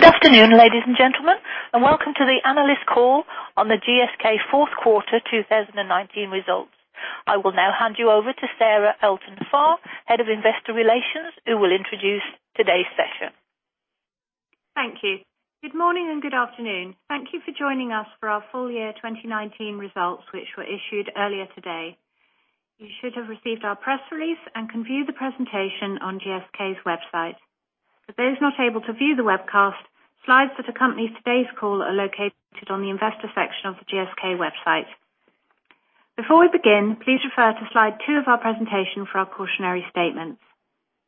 Good afternoon, ladies and gentlemen, welcome to the analyst call on the GSK fourth quarter 2019 results. I will now hand you over to Sarah Elton-Farr, Head of Investor Relations, who will introduce today's session. Thank you. Good morning and good afternoon. Thank you for joining us for our full year 2019 results, which were issued earlier today. You should have received our press release and can view the presentation on GSK's website. For those not able to view the webcast, slides that accompany today's call are located on the investor section of the GSK website. Before we begin, please refer to slide 2 of our presentation for our cautionary statements.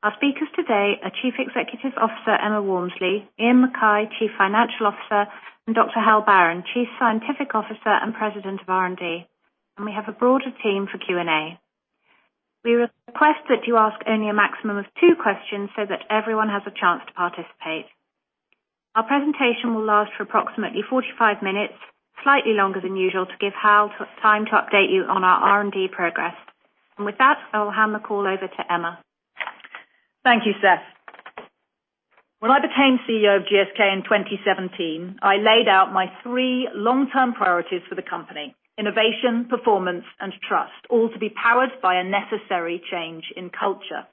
Our speakers today are Chief Executive Officer, Emma Walmsley, Iain Mackay, Chief Financial Officer, and Dr. Hal Barron, Chief Scientific Officer and President of R&D. We have a broader team for Q&A. We request that you ask only a maximum of two questions so that everyone has a chance to participate. Our presentation will last for approximately 45 minutes, slightly longer than usual, to give Hal time to update you on our R&D progress. With that, I will hand the call over to Emma. Thank you, Sarah. When I became CEO of GSK in 2017, I laid out my three long-term priorities for the company, innovation, performance, and trust, all to be powered by a necessary change in culture.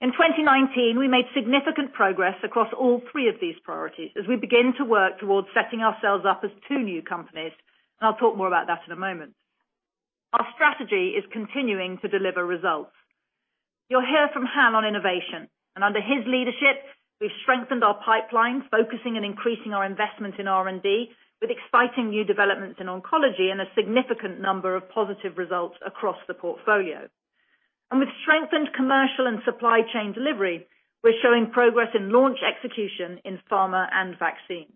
In 2019, we made significant progress across all three of these priorities as we begin to work towards setting ourselves up as two new companies. I'll talk more about that in a moment. Our strategy is continuing to deliver results. You'll hear from Hal on innovation. Under his leadership, we've strengthened our pipeline, focusing and increasing our investment in R&D with exciting new developments in oncology and a significant number of positive results across the portfolio. With strengthened commercial and supply chain delivery, we're showing progress in launch execution in pharma and vaccines.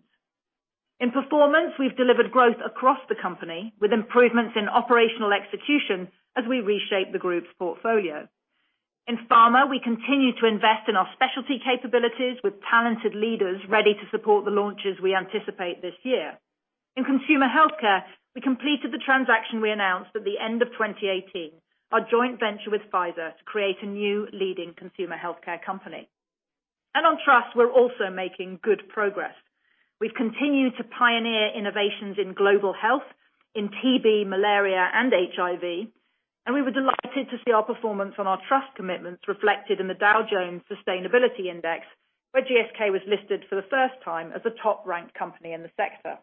In performance, we've delivered growth across the company with improvements in operational execution as we reshape the group's portfolio. In pharma, we continue to invest in our specialty capabilities with talented leaders ready to support the launches we anticipate this year. In consumer healthcare, we completed the transaction we announced at the end of 2018, our joint venture with Pfizer to create a new leading consumer healthcare company. On trust, we're also making good progress. We've continued to pioneer innovations in global health, in TB, malaria, and HIV, and we were delighted to see our performance on our trust commitments reflected in the Dow Jones Sustainability Index, where GSK was listed for the first time as a top-ranked company in the sector.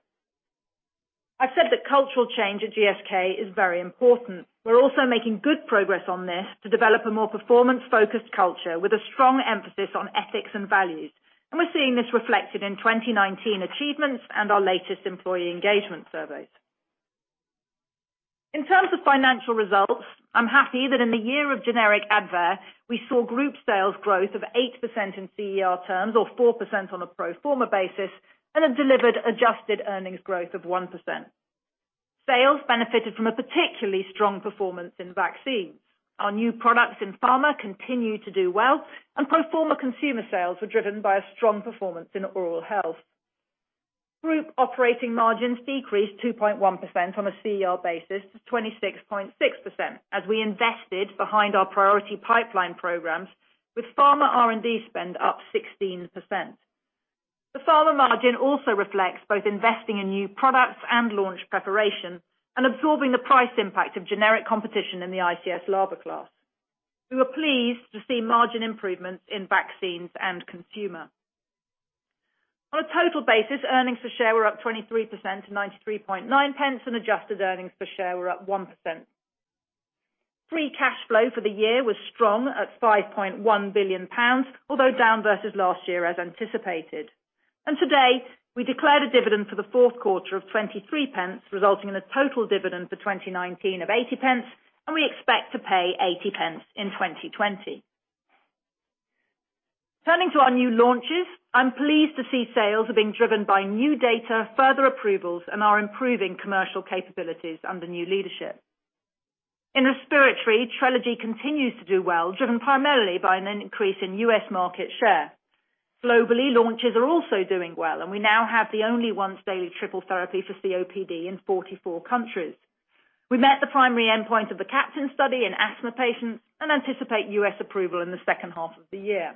I've said that cultural change at GSK is very important. We're also making good progress on this to develop a more performance-focused culture with a strong emphasis on ethics and values. We're seeing this reflected in 2019 achievements and our latest employee engagement surveys. In terms of financial results, I'm happy that in the year of generic Advair, we saw group sales growth of 8% in CER terms, or 4% on a pro forma basis, and have delivered adjusted earnings growth of 1%. Sales benefited from a particularly strong performance in vaccines. Our new products in pharma continue to do well, and pro forma consumer sales were driven by a strong performance in oral health. Group operating margins decreased 2.1% on a CER basis to 26.6% as we invested behind our priority pipeline programs with pharma R&D spend up 16%. The pharma margin also reflects both investing in new products and launch preparation and absorbing the price impact of generic competition in the ICS/LABA class. We were pleased to see margin improvements in vaccines and consumer. On a total basis, earnings per share were up 23% to 0.939. Adjusted earnings per share were up 1%. Free cash flow for the year was strong at 5.1 billion pounds, although down versus last year as anticipated. Today, we declared a dividend for the fourth quarter of 0.23, resulting in a total dividend for 2019 of 0.80. We expect to pay 0.80 in 2020. Turning to our new launches, I'm pleased to see sales are being driven by new data, further approvals, and our improving commercial capabilities under new leadership. In respiratory, Trelegy continues to do well, driven primarily by an increase in U.S. market share. Globally, launches are also doing well. We now have the only once-daily triple therapy for COPD in 44 countries. We met the primary endpoint of the CAPTAIN study in asthma patients and anticipate U.S. approval in the second half of the year.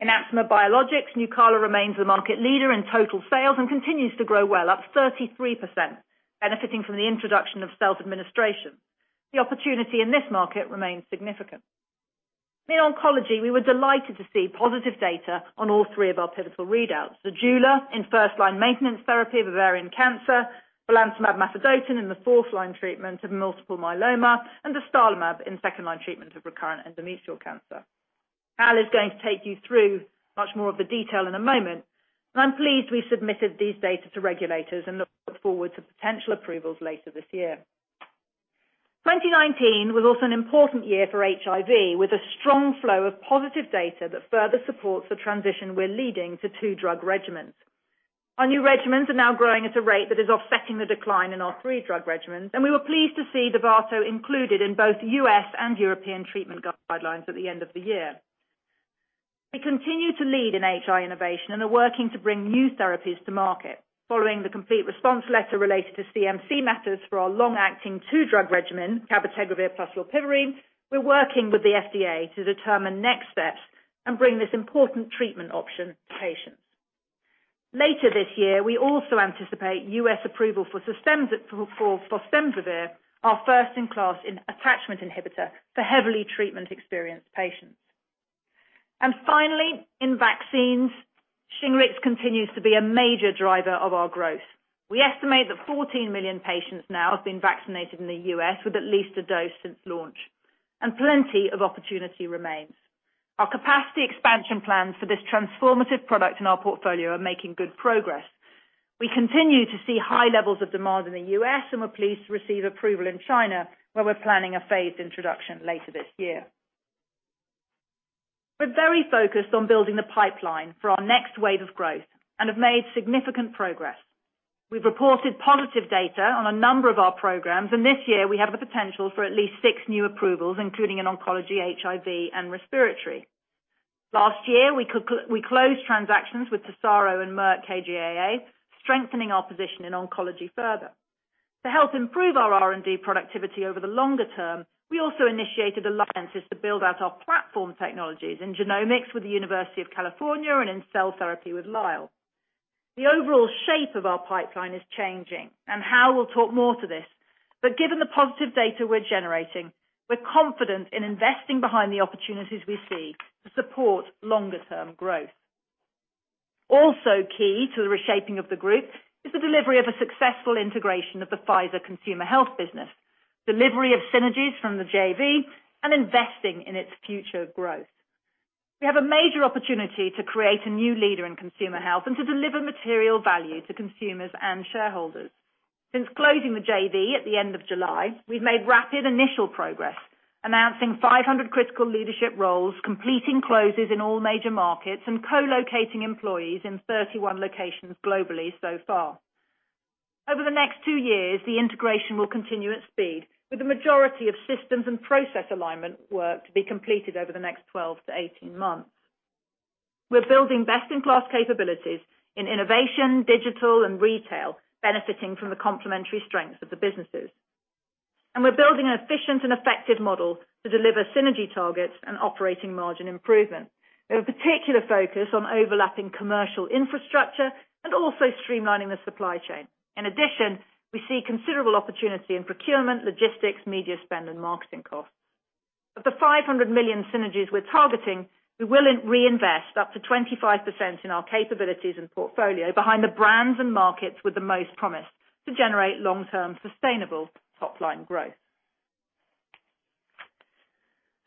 In asthma biologics, Nucala remains the market leader in total sales and continues to grow well, up 33%, benefiting from the introduction of self-administration. The opportunity in this market remains significant. In oncology, we were delighted to see positive data on all three of our pivotal readouts. ZEJULA in first-line maintenance therapy of ovarian cancer, belantamab mafodotin in the fourth-line treatment of multiple myeloma, and dostarlimab in second-line treatment of recurrent endometrial cancer. Hal is going to take you through much more of the detail in a moment. I'm pleased we submitted these data to regulators and look forward to potential approvals later this year. 2019 was also an important year for HIV, with a strong flow of positive data that further supports the transition we're leading to two-drug regimens. Our new regimens are now growing at a rate that is offsetting the decline in our three-drug regimens, and we were pleased to see Dovato included in both U.S. and European treatment guidelines at the end of the year. We continue to lead in HIV innovation and are working to bring new therapies to market. Following the complete response letter related to CMC matters for our long-acting two-drug regimen, cabotegravir plus rilpivirine, we're working with the FDA to determine next steps and bring this important treatment option to patients. Later this year, we also anticipate U.S. approval for fostemsavir, our first-in-class attachment inhibitor for heavily treatment-experienced patients. Finally, in vaccines, Shingrix continues to be a major driver of our growth. We estimate that 14 million patients now have been vaccinated in the U.S. with at least a dose since launch, and plenty of opportunity remains. Our capacity expansion plans for this transformative product in our portfolio are making good progress. We continue to see high levels of demand in the U.S., and we're pleased to receive approval in China, where we're planning a phased introduction later this year. We're very focused on building the pipeline for our next wave of growth and have made significant progress. We've reported positive data on a number of our programs, and this year we have the potential for at least six new approvals, including in oncology, HIV, and respiratory. Last year, we closed transactions with Tesaro and Merck KGaA, strengthening our position in oncology further. To help improve our R&D productivity over the longer term, we also initiated alliances to build out our platform technologies in genomics with the University of California and in cell therapy with Lyell. The overall shape of our pipeline is changing, and how we'll talk more to this, but given the positive data we're generating, we're confident in investing behind the opportunities we see to support longer-term growth. Also key to the reshaping of the group is the delivery of a successful integration of the Pfizer Consumer Healthcare business, delivery of synergies from the JV, and investing in its future growth. We have a major opportunity to create a new leader in consumer health and to deliver material value to consumers and shareholders. Since closing the JV at the end of July, we've made rapid initial progress, announcing 500 critical leadership roles, completing closes in all major markets, and co-locating employees in 31 locations globally so far. Over the next two years, the integration will continue at speed, with the majority of systems and process alignment work to be completed over the next 12-18 months. We're building best-in-class capabilities in innovation, digital, and retail, benefiting from the complementary strengths of the businesses. We're building an efficient and effective model to deliver synergy targets and operating margin improvement, with a particular focus on overlapping commercial infrastructure and also streamlining the supply chain. In addition, we see considerable opportunity in procurement, logistics, media spend, and marketing costs. Of the 500 million synergies we're targeting, we will reinvest up to 25% in our capabilities and portfolio behind the brands and markets with the most promise to generate long-term sustainable top-line growth.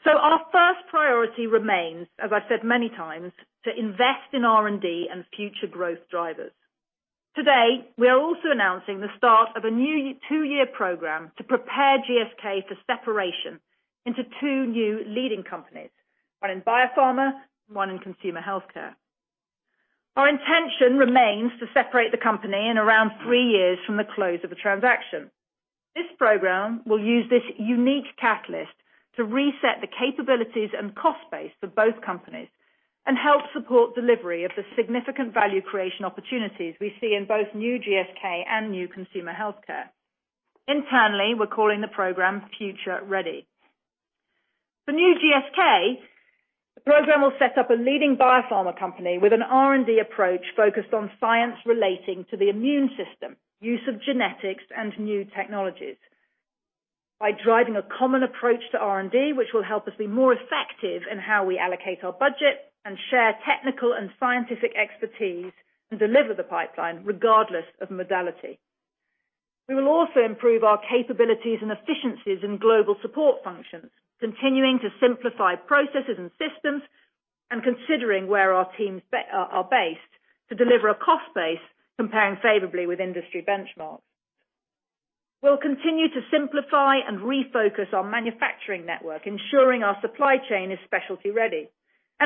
Our first priority remains, as I've said many times, to invest in R&D and future growth drivers. Today, we are also announcing the start of a new two-year program to prepare GSK for separation into two new leading companies, one in biopharma, one in consumer healthcare. Our intention remains to separate the company in around three years from the close of the transaction. This program will use this unique catalyst to reset the capabilities and cost base for both companies and help support delivery of the significant value creation opportunities we see in both new GSK and new consumer healthcare. Internally, we're calling the program Future Ready. For new GSK, the program will set up a leading biopharma company with an R&D approach focused on science relating to the immune system, use of genetics, and new technologies by driving a common approach to R&D, which will help us be more effective in how we allocate our budget and share technical and scientific expertise and deliver the pipeline regardless of modality. We will also improve our capabilities and efficiencies in global support functions, continuing to simplify processes and systems, and considering where our teams are based to deliver a cost base comparing favorably with industry benchmarks. We'll continue to simplify and refocus our manufacturing network, ensuring our supply chain is specialty ready,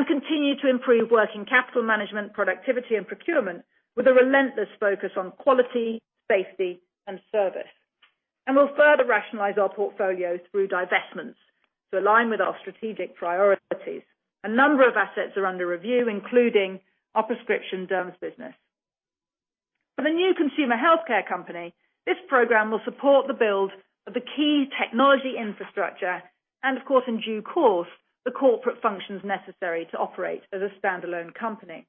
continue to improve working capital management, productivity, and procurement with a relentless focus on quality, safety, and service. We'll further rationalize our portfolios through divestments to align with our strategic priorities. A number of assets are under review, including our prescription derms business. For the new consumer healthcare company, this program will support the build of the key technology infrastructure, and of course, in due course, the corporate functions necessary to operate as a standalone company.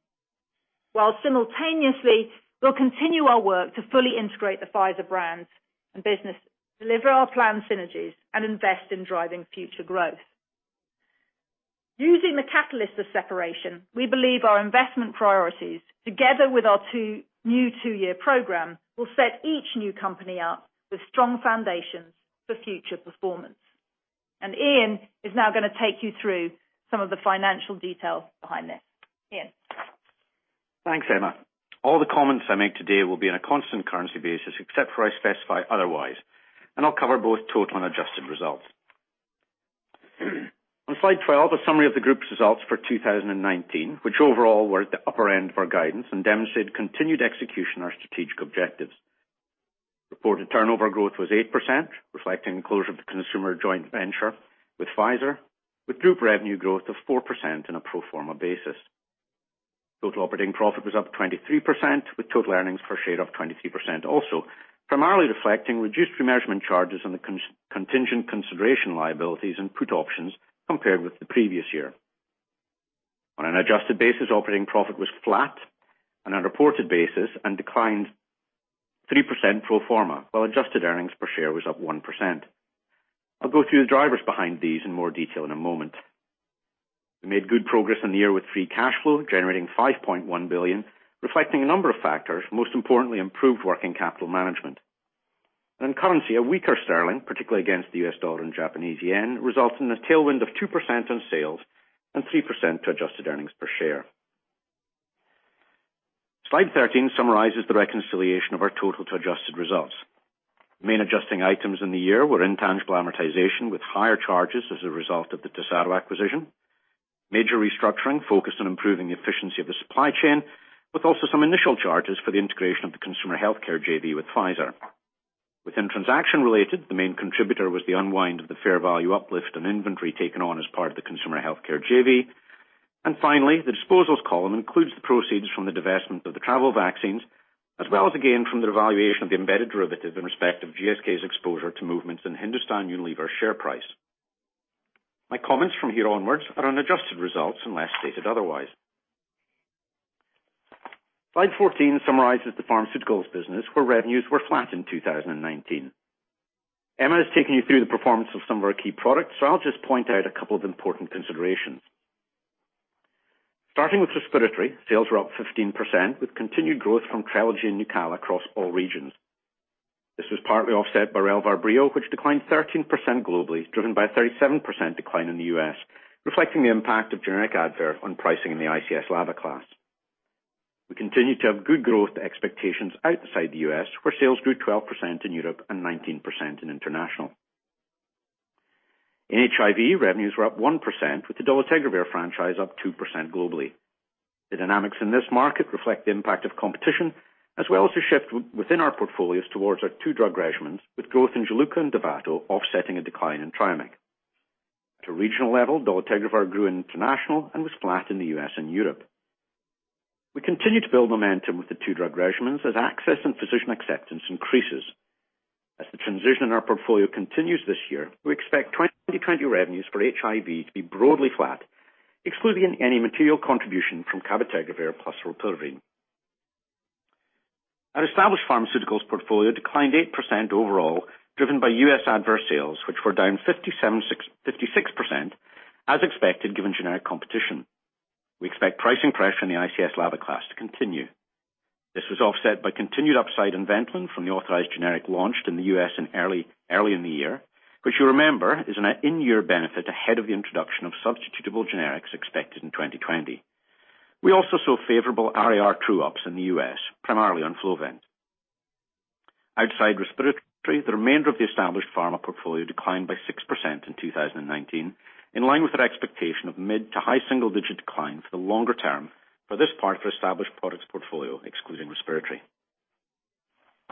While simultaneously, we'll continue our work to fully integrate the Pfizer brands and business, deliver our planned synergies, and invest in driving future growth. Using the catalyst of separation, we believe our investment priorities, together with our new two-year program, will set each new company up with strong foundations for future performance. Iain is now going to take you through some of the financial details behind this. Iain? Thanks, Emma. All the comments I make today will be on a constant currency basis, except where I specify otherwise, and I'll cover both total and adjusted results. On slide 12, a summary of the group's results for 2019, which overall were at the upper end of our guidance and demonstrate continued execution of our strategic objectives. Reported turnover growth was 8%, reflecting the closure of the consumer joint venture with Pfizer, with group revenue growth of 4% on a pro forma basis. Total operating profit was up 23%, with total earnings per share of 23% also. Primarily reflecting reduced remeasurement charges on the contingent consideration liabilities and put options compared with the previous year. On an adjusted basis, operating profit was flat on a reported basis and declined 3% pro forma, while adjusted earnings per share was up 1%. I'll go through the drivers behind these in more detail in a moment. We made good progress in the year with free cash flow, generating 5.1 billion, reflecting a number of factors, most importantly, improved working capital management. In currency, a weaker sterling, particularly against the US dollar and Japanese yen, results in a tailwind of 2% on sales and 3% to adjusted earnings per share. Slide 13 summarizes the reconciliation of our total to adjusted results. Main adjusting items in the year were intangible amortization, with higher charges as a result of the Tesaro acquisition. Major restructuring focused on improving the efficiency of the supply chain, with also some initial charges for the integration of the consumer healthcare JV with Pfizer. Within transaction-related, the main contributor was the unwind of the fair value uplift and inventory taken on as part of the consumer healthcare JV. Finally, the disposals column includes the proceeds from the divestment of the travel vaccines, as well as a gain from the revaluation of the embedded derivative in respect of GSK's exposure to movements in Hindustan Unilever share price. My comments from here onwards are on adjusted results unless stated otherwise. Slide 14 summarizes the pharmaceuticals business, where revenues were flat in 2019. Emma has taken you through the performance of some of our key products, I'll just point out a couple of important considerations. Starting with respiratory, sales were up 15%, with continued growth from Trelegy and Nucala across all regions. This was partly offset by Advair, which declined 13% globally, driven by a 37% decline in the U.S., reflecting the impact of generic Advair on pricing in the ICS/LABA class. We continue to have good growth expectations outside the U.S., where sales grew 12% in Europe and 19% in international. In HIV, revenues were up 1%, with the dolutegravir franchise up 2% globally. The dynamics in this market reflect the impact of competition, as well as a shift within our portfolios towards our two drug regimens, with growth in Juluca and Dovato offsetting a decline in Triumeq. At a regional level, dolutegravir grew international and was flat in the U.S. and Europe. We continue to build momentum with the two drug regimens as access and physician acceptance increases. As the transition in our portfolio continues this year, we expect 2020 revenues for HIV to be broadly flat, excluding any material contribution from cabotegravir plus rilpivirine. Our established pharmaceuticals portfolio declined 8% overall, driven by U.S. Advair sales, which were down 56%, as expected, given generic competition. We expect pricing pressure in the ICS/LABA class to continue. This was offset by continued upside in Ventolin from the authorized generic launched in the U.S. early in the year. Which you remember is an in-year benefit ahead of the introduction of substitutable generics expected in 2020. We also saw favorable RAR true-ups in the U.S., primarily on Flovent. Outside respiratory, the remainder of the established pharma portfolio declined by 6% in 2019, in line with our expectation of mid to high single-digit decline for the longer term for this part of established products portfolio, excluding respiratory.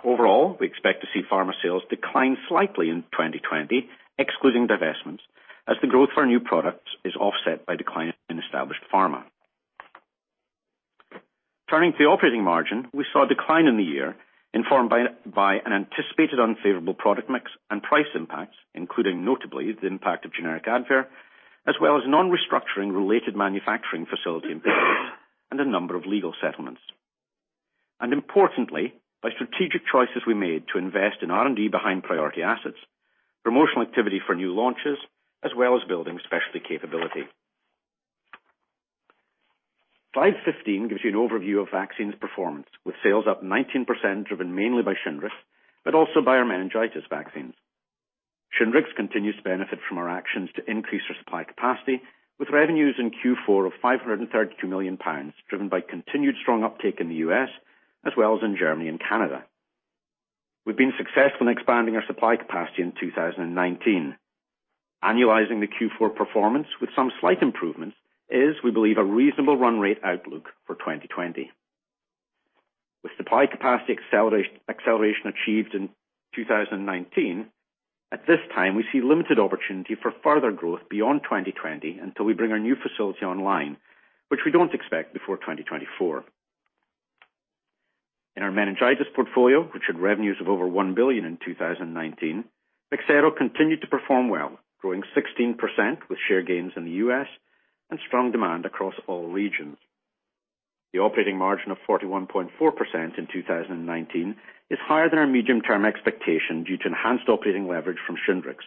Overall, we expect to see pharma sales decline slightly in 2020, excluding divestments, as the growth for our new products is offset by decline in established pharma. Turning to the operating margin, we saw a decline in the year informed by an anticipated unfavorable product mix and price impacts, including notably the impact of generic Advair, as well as non-restructuring related manufacturing facility impacts and a number of legal settlements. Importantly, by strategic choices we made to invest in R&D behind priority assets, promotional activity for new launches, as well as building specialty capability. Slide 15 gives you an overview of vaccines performance, with sales up 19% driven mainly by Shingrix, but also by our meningitis vaccines. Shingrix continues to benefit from our actions to increase our supply capacity, with revenues in Q4 of 532 million pounds, driven by continued strong uptake in the U.S. as well as in Germany and Canada. We've been successful in expanding our supply capacity in 2019. Annualizing the Q4 performance with some slight improvements is, we believe, a reasonable run rate outlook for 2020. With supply capacity acceleration achieved in 2019, at this time, we see limited opportunity for further growth beyond 2020 until we bring our new facility online, which we don't expect before 2024. In our meningitis portfolio, which had revenues of over 1 billion in 2019, Bexsero continued to perform well, growing 16% with share gains in the U.S. and strong demand across all regions. The operating margin of 41.4% in 2019 is higher than our medium-term expectation due to enhanced operating leverage from Shingrix,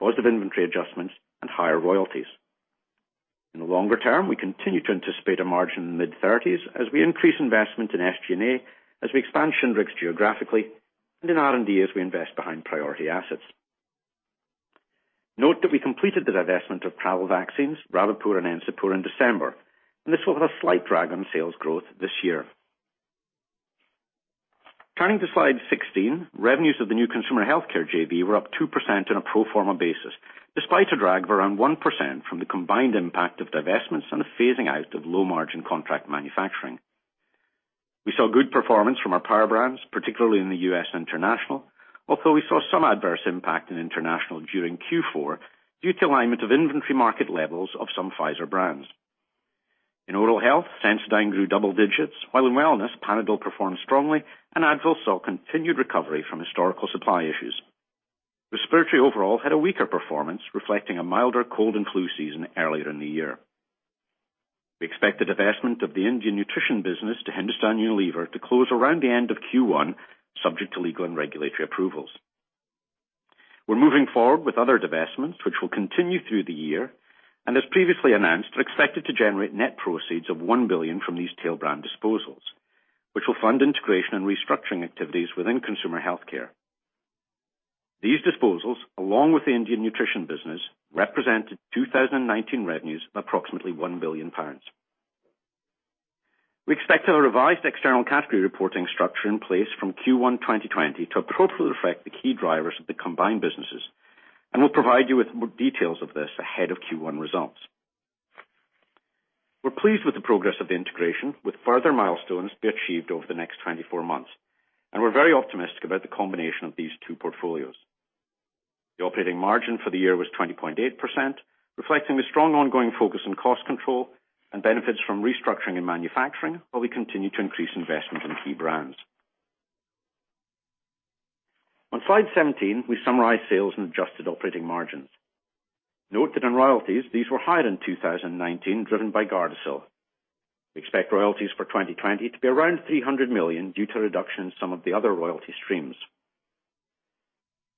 positive inventory adjustments, and higher royalties. In the longer term, we continue to anticipate a margin mid-thirties as we increase investment in SG&A as we expand Shingrix geographically and in R&D as we invest behind priority assets. Note that we completed the divestment of travel vaccines, Rabipur and Encepur in December, and this will have a slight drag on sales growth this year. Turning to slide 16, revenues of the new consumer healthcare JV were up 2% on a pro forma basis, despite a drag of around 1% from the combined impact of divestments and a phasing out of low-margin contract manufacturing. We saw good performance from our power brands, particularly in the U.S. international, although we saw some adverse impact in international during Q4 due to alignment of inventory market levels of some Pfizer brands. In oral health, Sensodyne grew double digits, while in wellness, Panadol performed strongly and Advil saw continued recovery from historical supply issues. Respiratory overall had a weaker performance, reflecting a milder cold and flu season earlier in the year. We expect the divestment of the Indian nutrition business to Hindustan Unilever to close around the end of Q1, subject to legal and regulatory approvals. We're moving forward with other divestments, which will continue through the year, and as previously announced, are expected to generate net proceeds of 1 billion from these tail brand disposals, which will fund integration and restructuring activities within consumer healthcare. These disposals, along with the Indian nutrition business, represented 2019 revenues of approximately £1 billion. We expect our revised external category reporting structure in place from Q1 2020 to appropriately reflect the key drivers of the combined businesses, and we'll provide you with more details of this ahead of Q1 results. We're pleased with the progress of the integration, with further milestones to be achieved over the next 24 months. We're very optimistic about the combination of these two portfolios. The operating margin for the year was 20.8%, reflecting the strong ongoing focus on cost control and benefits from restructuring and manufacturing, while we continue to increase investment in key brands. On slide 17, we summarize sales and adjusted operating margins. Note that in royalties, these were higher in 2019, driven by Gardasil. We expect royalties for 2020 to be around 300 million due to reduction in some of the other royalty streams.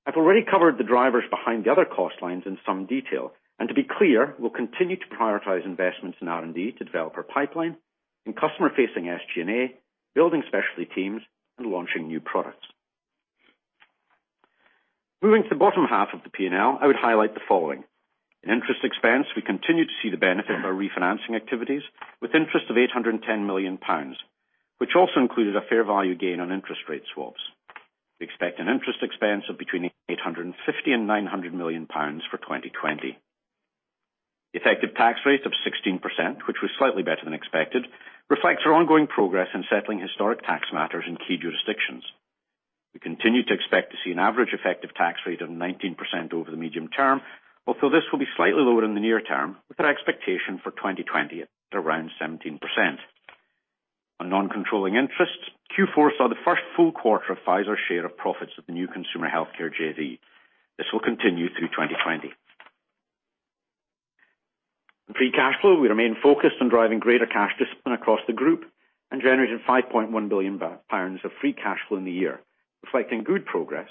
I've already covered the drivers behind the other cost lines in some detail. To be clear, we'll continue to prioritize investments in R&D to develop our pipeline, in customer-facing SG&A, building specialty teams, and launching new products. Moving to the bottom half of the P&L, I would highlight the following. In interest expense, we continue to see the benefit of our refinancing activities with interest of 810 million pounds, which also included a fair value gain on interest rate swaps. We expect an interest expense of between 850 million and 900 million pounds for 2020. The effective tax rate of 16%, which was slightly better than expected, reflects our ongoing progress in settling historic tax matters in key jurisdictions. We continue to expect to see an average effective tax rate of 19% over the medium term, although this will be slightly lower in the near term, with our expectation for 2020 at around 17%. On non-controlling interests, Q4 saw the first full quarter of Pfizer's share of profits of the new consumer healthcare JV. This will continue through 2020. In free cash flow, we remain focused on driving greater cash discipline across the group and generated 5.1 billion pounds of free cash flow in the year, reflecting good progress,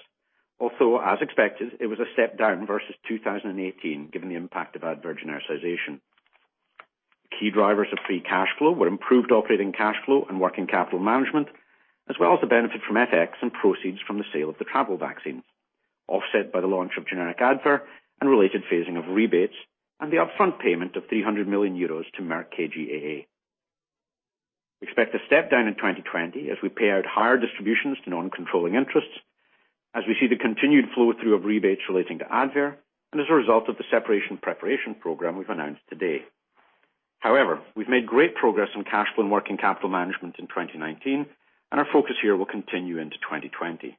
although as expected, it was a step down versus 2018, given the impact of Advair genericization. Key drivers of free cash flow were improved operating cash flow and working capital management, as well as the benefit from FX and proceeds from the sale of the travel vaccine, offset by the launch of generic Advair and related phasing of rebates and the upfront payment of 300 million euros to Merck KGaA. We expect a step down in 2020 as we pay out higher distributions to non-controlling interests, as we see the continued flow-through of rebates relating to Advair, and as a result of the separation preparation program we've announced today. However, we've made great progress on cash flow and working capital management in 2019, and our focus here will continue into 2020.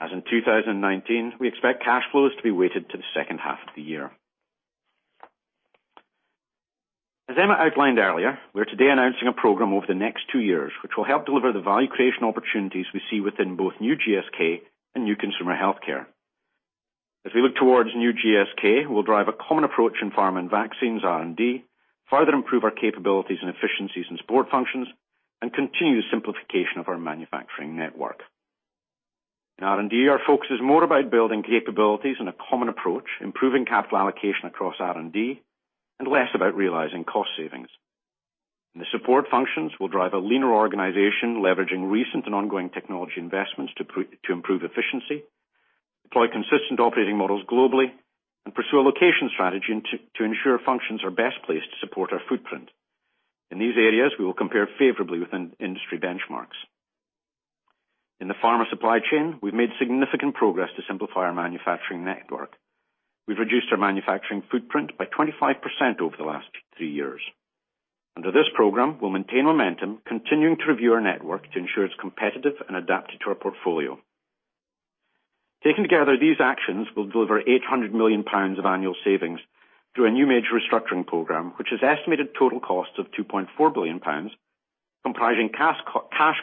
As in 2019, we expect cash flows to be weighted to the second half of the year. As Emma outlined earlier, we're today announcing a program over the next two years, which will help deliver the value creation opportunities we see within both new GSK and new Consumer Healthcare. As we look towards new GSK, we'll drive a common approach in pharma and vaccines R&D, further improve our capabilities and efficiencies in support functions, and continue the simplification of our manufacturing network. In R&D, our focus is more about building capabilities and a common approach, improving capital allocation across R&D, and less about realizing cost savings. In the support functions, we'll drive a leaner organization, leveraging recent and ongoing technology investments to improve efficiency, deploy consistent operating models globally, and pursue a location strategy to ensure functions are best placed to support our footprint. In these areas, we will compare favorably with industry benchmarks. In the pharma supply chain, we've made significant progress to simplify our manufacturing network. We've reduced our manufacturing footprint by 25% over the last three years. Under this program, we'll maintain momentum, continuing to review our network to ensure it's competitive and adapted to our portfolio. Taken together, these actions will deliver 800 million pounds of annual savings through a new major restructuring program, which has estimated total costs of 2.4 billion pounds, comprising cash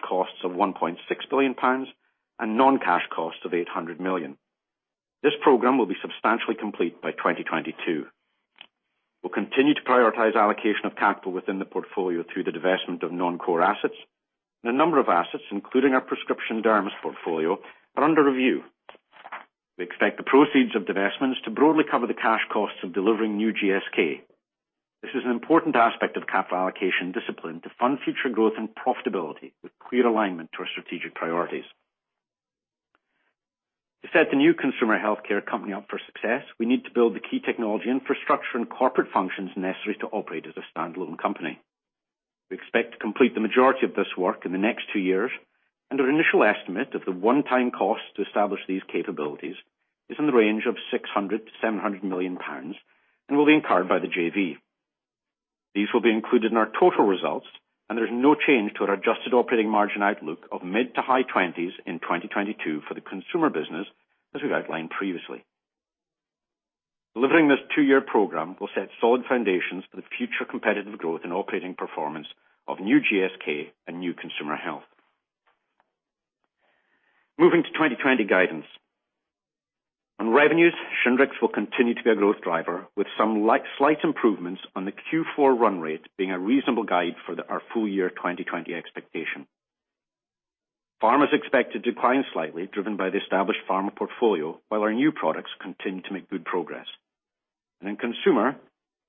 costs of 1.6 billion pounds and non-cash costs of 800 million. This program will be substantially complete by 2022. We'll continue to prioritize allocation of capital within the portfolio through the divestment of non-core assets. A number of assets, including our prescription derms portfolio, are under review. We expect the proceeds of divestments to broadly cover the cash costs of delivering new GSK. This is an important aspect of capital allocation discipline to fund future growth and profitability with clear alignment to our strategic priorities. To set the new consumer healthcare company up for success, we need to build the key technology infrastructure and corporate functions necessary to operate as a standalone company. We expect to complete the majority of this work in the next two years, and our initial estimate of the one-time cost to establish these capabilities is in the range of 600 million-700 million pounds and will be incurred by the JV. These will be included in our total results. There is no change to our adjusted operating margin outlook of mid to high 20s in 2022 for the consumer business, as we've outlined previously. Delivering this two-year program will set solid foundations for the future competitive growth and operating performance of new GSK and new consumer health. Moving to 2020 guidance. On revenues, Shingrix will continue to be a growth driver, with some slight improvements on the Q4 run rate being a reasonable guide for our full year 2020 expectation. Pharma is expected to decline slightly, driven by the established pharma portfolio, while our new products continue to make good progress. In consumer,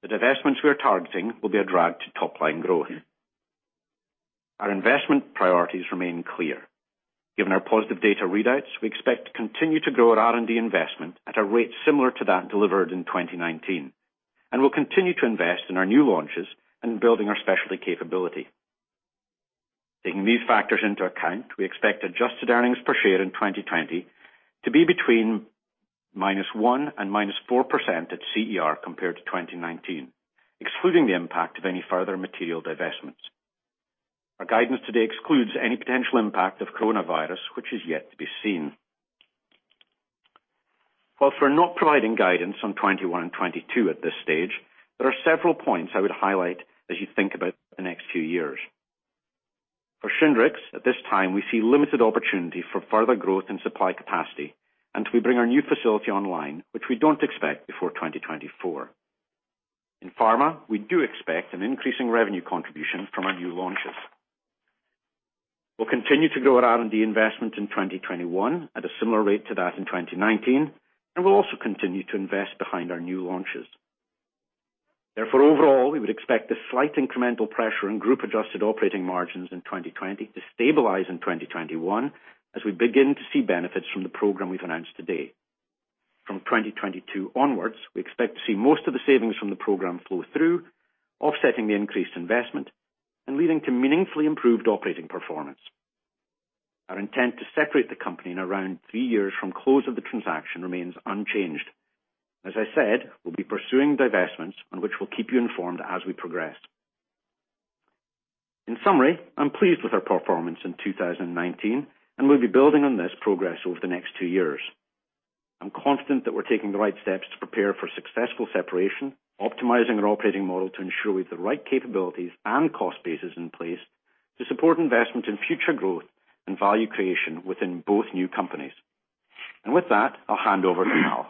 the divestments we are targeting will be a drag to top-line growth. Our investment priorities remain clear. Given our positive data readouts, we expect to continue to grow our R&D investment at a rate similar to that delivered in 2019. We'll continue to invest in our new launches and building our specialty capability. Taking these factors into account, we expect adjusted earnings per share in 2020 to be between -1% and -4% at CER compared to 2019, excluding the impact of any further material divestments. Our guidance today excludes any potential impact of coronavirus, which is yet to be seen. We're not providing guidance on 2021 and 2022 at this stage, there are several points I would highlight as you think about the next few years. For Shingrix, at this time, we see limited opportunity for further growth in supply capacity until we bring our new facility online, which we don't expect before 2024. In pharma, we do expect an increasing revenue contribution from our new launches. We'll continue to grow our R&D investment in 2021 at a similar rate to that in 2019, and we'll also continue to invest behind our new launches. Overall, we would expect the slight incremental pressure in group-adjusted operating margins in 2020 to stabilize in 2021 as we begin to see benefits from the program we've announced today. From 2022 onwards, we expect to see most of the savings from the program flow through, offsetting the increased investment and leading to meaningfully improved operating performance. Our intent to separate the company in around three years from close of the transaction remains unchanged. As I said, we'll be pursuing divestments, on which we'll keep you informed as we progress. In summary, I'm pleased with our performance in 2019, and we'll be building on this progress over the next two years. I'm confident that we're taking the right steps to prepare for successful separation, optimizing our operating model to ensure we have the right capabilities and cost bases in place to support investment in future growth and value creation within both new companies. With that, I'll hand over to Hal.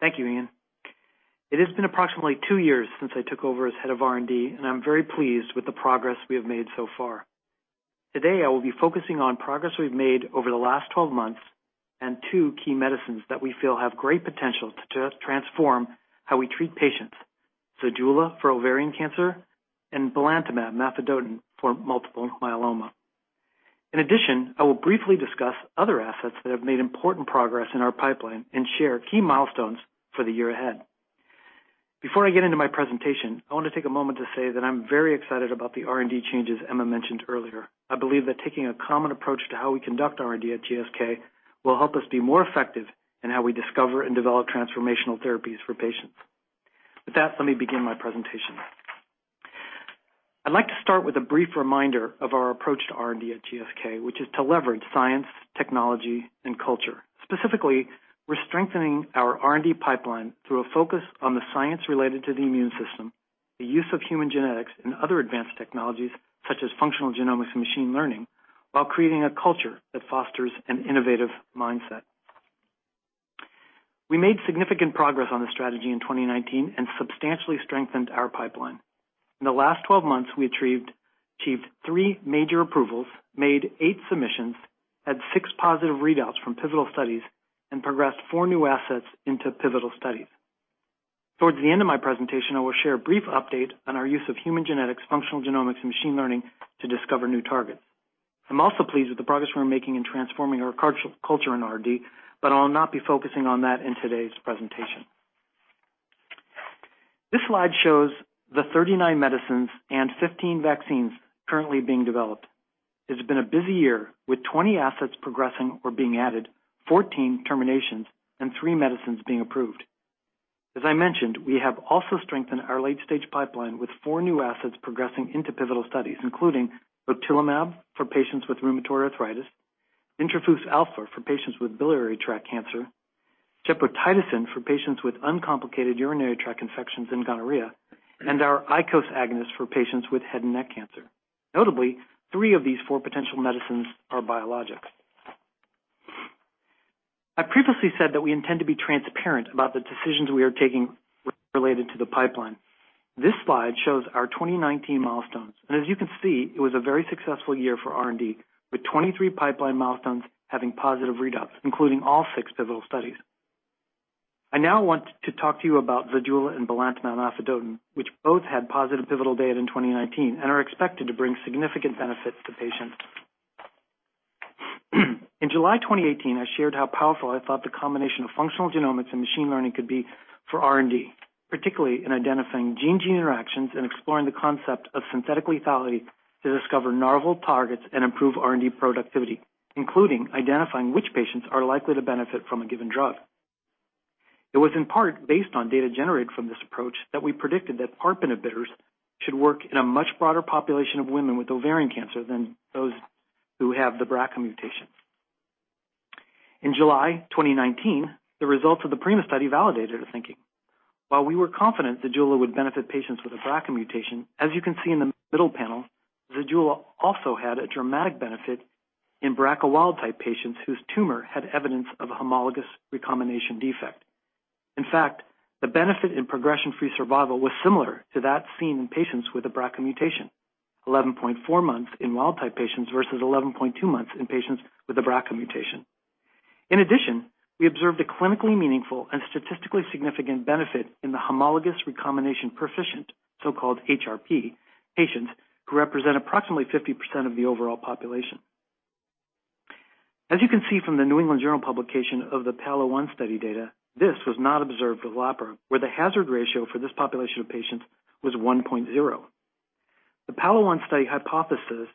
Thank you, Iain. It has been approximately two years since I took over as head of R&D, and I'm very pleased with the progress we have made so far. Today, I will be focusing on progress we've made over the last 12 months and two key medicines that we feel have great potential to transform how we treat patients, ZEJULA for ovarian cancer and belantamab mafodotin for multiple myeloma. In addition, I will briefly discuss other assets that have made important progress in our pipeline and share key milestones for the year ahead. Before I get into my presentation, I want to take a moment to say that I'm very excited about the R&D changes Emma mentioned earlier. I believe that taking a common approach to how we conduct R&D at GSK will help us be more effective in how we discover and develop transformational therapies for patients. With that, let me begin my presentation. I'd like to start with a brief reminder of our approach to R&D at GSK, which is to leverage science, technology, and culture. Specifically, we're strengthening our R&D pipeline through a focus on the science related to the immune system, the use of human genetics and other advanced technologies such as functional genomics and machine learning, while creating a culture that fosters an innovative mindset. We made significant progress on this strategy in 2019 and substantially strengthened our pipeline. In the last 12 months, we achieved three major approvals, made eight submissions, had six positive readouts from pivotal studies, and progressed four new assets into pivotal studies. Towards the end of my presentation, I will share a brief update on our use of human genetics, functional genomics, and machine learning to discover new targets. I'm also pleased with the progress we're making in transforming our culture in R&D, but I'll not be focusing on that in today's presentation. This slide shows the 39 medicines and 15 vaccines currently being developed. It has been a busy year, with 20 assets progressing or being added, 14 terminations, and three medicines being approved. As I mentioned, we have also strengthened our late-stage pipeline with four new assets progressing into pivotal studies, including otilimab for patients with rheumatoid arthritis, bintrafusp alfa for patients with biliary tract cancer, gepotidacin for patients with uncomplicated urinary tract infections and gonorrhea, and our ICOS agonist for patients with head and neck cancer. Notably, three of these four potential medicines are biologics. I previously said that we intend to be transparent about the decisions we are taking related to the pipeline. This slide shows our 2019 milestones. As you can see, it was a very successful year for R&D, with 23 pipeline milestones having positive readouts, including all six pivotal studies. I now want to talk to you about ZEJULA and belantamab mafodotin, which both had positive pivotal data in 2019 and are expected to bring significant benefits to patients. In July 2018, I shared how powerful I thought the combination of functional genomics and machine learning could be for R&D, particularly in identifying gene-gene interactions and exploring the concept of synthetic lethality to discover novel targets and improve R&D productivity, including identifying which patients are likely to benefit from a given drug. It was in part based on data generated from this approach that we predicted that PARP inhibitors should work in a much broader population of women with ovarian cancer than those who have the BRCA mutations. In July 2019, the results of the PRIMA study validated our thinking. While we were confident ZEJULA would benefit patients with a BRCA mutation, as you can see in the middle panel, ZEJULA also had a dramatic benefit in BRCA wild type patients whose tumor had evidence of a homologous recombination defect. In fact, the benefit in progression-free survival was similar to that seen in patients with a BRCA mutation, 11.4 months in wild type patients versus 11.2 months in patients with a BRCA mutation. In addition, we observed a clinically meaningful and statistically significant benefit in the homologous recombination proficient, so-called HRP, patients who represent approximately 50% of the overall population. As you can see from The New England Journal of Medicine publication of the PAOLA-1 study data, this was not observed with olaparib, where the hazard ratio for this population of patients was 1.0. The PAOLA-1 study hypothesized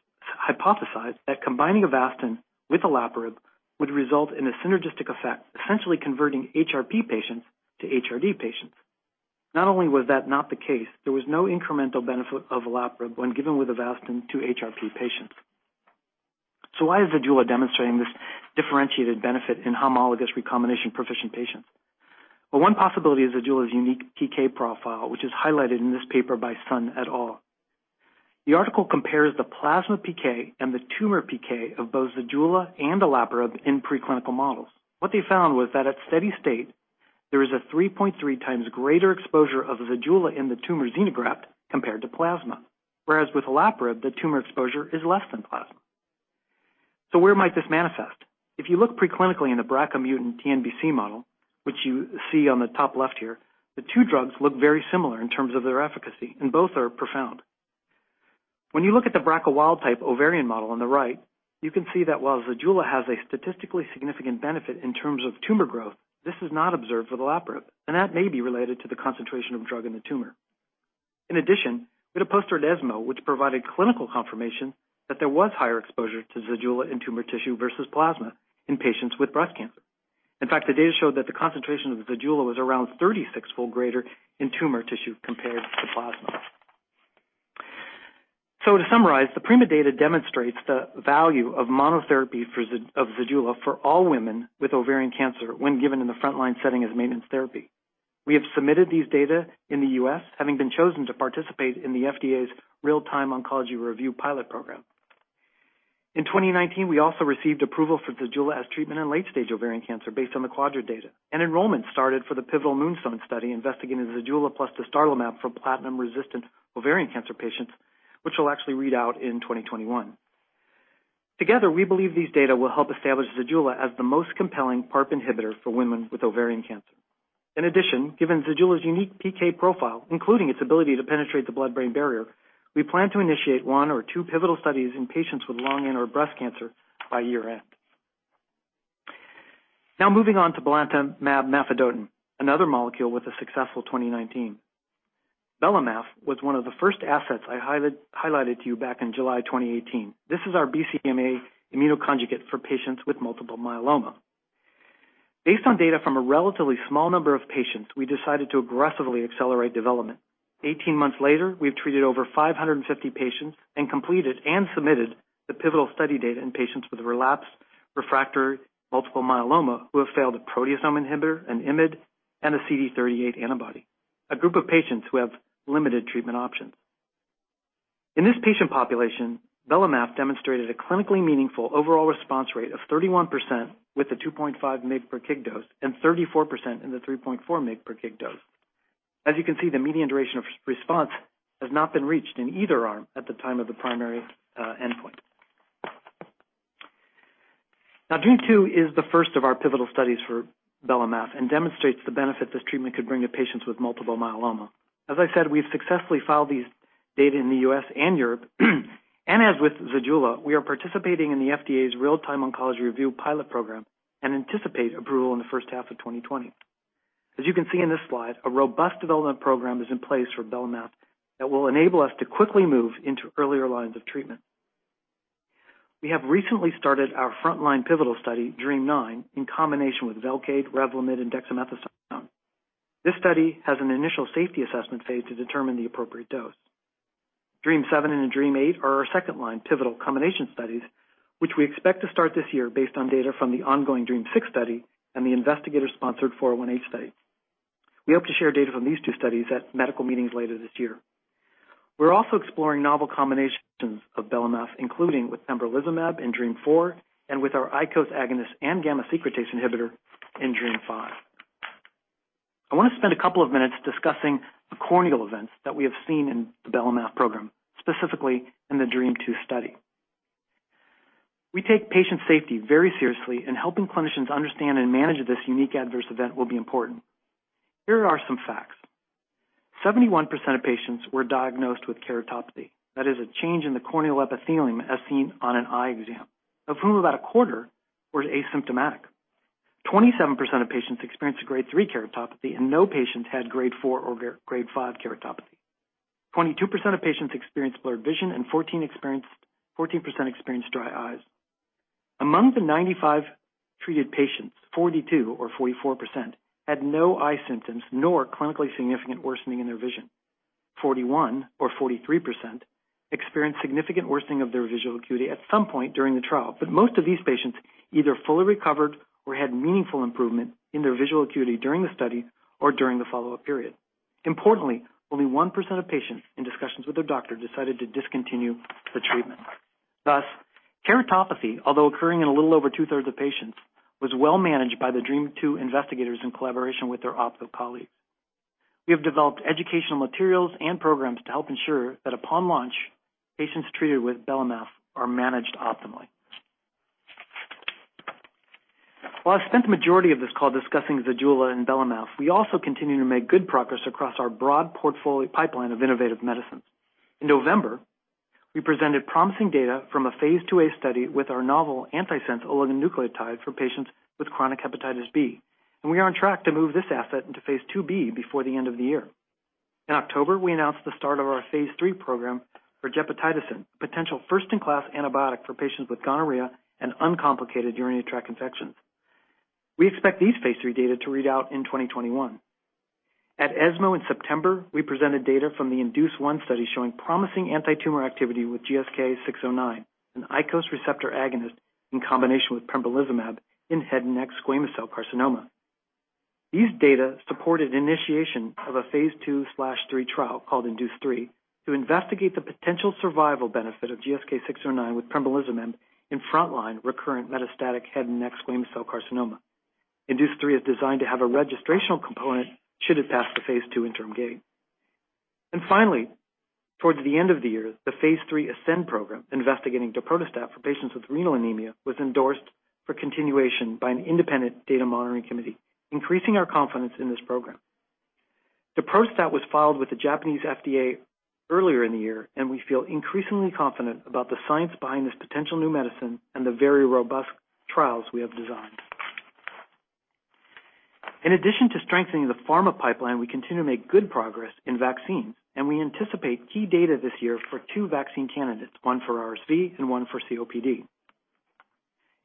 that combining Avastin with olaparib would result in a synergistic effect, essentially converting HRP patients to HRD patients. Not only was that not the case, there was no incremental benefit of olaparib when given with Avastin to HRP patients. Why is ZEJULA demonstrating this differentiated benefit in homologous recombination proficient patients? One possibility is ZEJULA's unique PK profile, which is highlighted in this paper by Sun et al. The article compares the plasma PK and the tumor PK of both ZEJULA and olaparib in preclinical models. What they found was that at steady state, there is a 3.3 times greater exposure of ZEJULA in the tumor xenograft compared to plasma. Whereas with olaparib, the tumor exposure is less than plasma. Where might this manifest? If you look preclinically in the BRCA mutant TNBC model, which you see on the top left here, the two drugs look very similar in terms of their efficacy, and both are profound. When you look at the BRCA wild type ovarian model on the right, you can see that while ZEJULA has a statistically significant benefit in terms of tumor growth, this is not observed for the olaparib, and that may be related to the concentration of drug in the tumor. In addition, we had a poster at ESMO which provided clinical confirmation that there was higher exposure to ZEJULA in tumor tissue versus plasma in patients with breast cancer. In fact, the data showed that the concentration of ZEJULA was around 36-fold greater in tumor tissue compared to plasma. To summarize, the PRIMA data demonstrates the value of monotherapy of ZEJULA for all women with ovarian cancer when given in the frontline setting as maintenance therapy. We have submitted these data in the U.S., having been chosen to participate in the FDA's Real-Time Oncology Review pilot program. In 2019, we also received approval for ZEJULA as treatment in late-stage ovarian cancer based on the QUADRA data. An enrollment started for the pivotal MOONSTONE study investigating ZEJULA plus dostarlimab for platinum-resistant ovarian cancer patients, which will actually read out in 2021. Together, we believe these data will help establish ZEJULA as the most compelling PARP inhibitor for women with ovarian cancer. In addition, given ZEJULA's unique PK profile, including its ability to penetrate the blood-brain barrier, we plan to initiate one or two pivotal studies in patients with lung and/or breast cancer by year-end. Now moving on to belantamab mafodotin, another molecule with a successful 2019. Bela-Maf was one of the first assets I highlighted to you back in July 2018. This is our BCMA immunoconjugate for patients with multiple myeloma. Based on data from a relatively small number of patients, we decided to aggressively accelerate development. 18 months later, we've treated over 550 patients and completed and submitted the pivotal study data in patients with relapsed refractory multiple myeloma who have failed a proteasome inhibitor, an IMiD, and a CD38 antibody, a group of patients who have limited treatment options. In this patient population, belamaf demonstrated a clinically meaningful overall response rate of 31% with a 2.5 mg per kg dose and 34% in the 3.4 mg per kg dose. As you can see, the median duration of response has not been reached in either arm at the time of the primary endpoint. Now, DREAMM-2 is the first of our pivotal studies for belamaf and demonstrates the benefit this treatment could bring to patients with multiple myeloma. As I said, we've successfully filed these data in the U.S. and Europe. As with ZEJULA, we are participating in the FDA's Real-Time Oncology Review pilot program and anticipate approval in the first half of 2020. As you can see in this slide, a robust development program is in place for belamaf that will enable us to quickly move into earlier lines of treatment. We have recently started our frontline pivotal study, DREAMM-9, in combination with VELCADE, REVLIMID, and dexamethasone. This study has an initial safety assessment phase to determine the appropriate dose. DREAMM-7 and DREAMM-8 are our second line pivotal combination studies, which we expect to start this year based on data from the ongoing DREAMM-6 study and the investigator-sponsored 401H study. We hope to share data from these two studies at medical meetings later this year. We're also exploring novel combinations of belamaf, including with pembrolizumab in DREAMM-4 and with our ICOS agonist and gamma secretase inhibitor in DREAMM-5. I want to spend a couple of minutes discussing the corneal events that we have seen in the belamaf program, specifically in the DREAMM-2 study. We take patient safety very seriously, and helping clinicians understand and manage this unique adverse event will be important. Here are some facts. 71% of patients were diagnosed with keratopathy. That is a change in the corneal epithelium as seen on an eye exam. Of whom about a quarter were asymptomatic. 27% of patients experienced a grade 3 keratopathy, and no patients had grade 4 or grade 5 keratopathy. 22% of patients experienced blurred vision, and 14% experienced dry eyes. Among the 95 treated patients, 42% or 44%, had no eye symptoms nor clinically significant worsening in their vision. 41% or 43% experienced significant worsening of their visual acuity at some point during the trial, but most of these patients either fully recovered or had meaningful improvement in their visual acuity during the study or during the follow-up period. Importantly, only 1% of patients, in discussions with their doctor, decided to discontinue the treatment. Thus, keratopathy, although occurring in a little over two-thirds of patients, was well managed by the DREAMM-2 investigators in collaboration with their ophthalmologist colleagues. We have developed educational materials and programs to help ensure that upon launch, patients treated with belantamab mafodotin are managed optimally. While I've spent the majority of this call discussing ZEJULA and belantamab mafodotin, we also continue to make good progress across our broad portfolio pipeline of innovative medicines. In November, we presented promising data from a phase IIa study with our novel antisense oligonucleotide for patients with chronic hepatitis B. We are on track to move this asset into phase IIb before the end of the year. In October, we announced the start of our phase III program for gepotidacin, a potential first-in-class antibiotic for patients with gonorrhea and uncomplicated urinary tract infections. We expect these phase III data to read out in 2021. At ESMO in September, we presented data from the INDUCE-1 study showing promising antitumor activity with GSK609, an ICOS receptor agonist in combination with pembrolizumab in head and neck squamous cell carcinoma. These data supported initiation of a phase II/III trial called INDUCE-3 to investigate the potential survival benefit of GSK609 with pembrolizumab in frontline recurrent metastatic head and neck squamous cell carcinoma. INDUCE-3 is designed to have a registrational component should it pass the phase II interim gate. Finally, towards the end of the year, the phase III ASCEND program investigating daprodustat for patients with renal anemia was endorsed for continuation by an independent data monitoring committee, increasing our confidence in this program. Daprodustat was filed with the Japanese FDA earlier in the year. We feel increasingly confident about the science behind this potential new medicine and the very robust trials we have designed. In addition to strengthening the pharma pipeline, we continue to make good progress in vaccines. We anticipate key data this year for two vaccine candidates, one for RSV and one for COPD.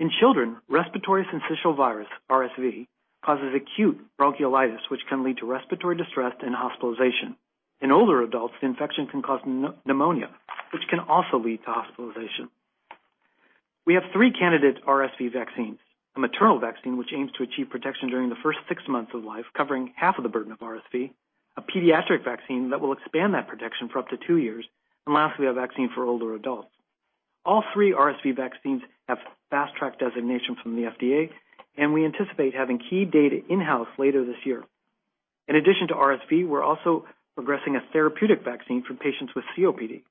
In children, respiratory syncytial virus, RSV, causes acute bronchiolitis, which can lead to respiratory distress and hospitalization. In older adults, the infection can cause pneumonia, which can also lead to hospitalization. We have three candidate RSV vaccines, a maternal vaccine, which aims to achieve protection during the first six months of life, covering half of the burden of RSV, a pediatric vaccine that will expand that protection for up to two years, and lastly, a vaccine for older adults. All three RSV vaccines have Fast Track designation from the FDA, and we anticipate having key data in-house later this year. In addition to RSV, we're also progressing a therapeutic vaccine for patients with COPD.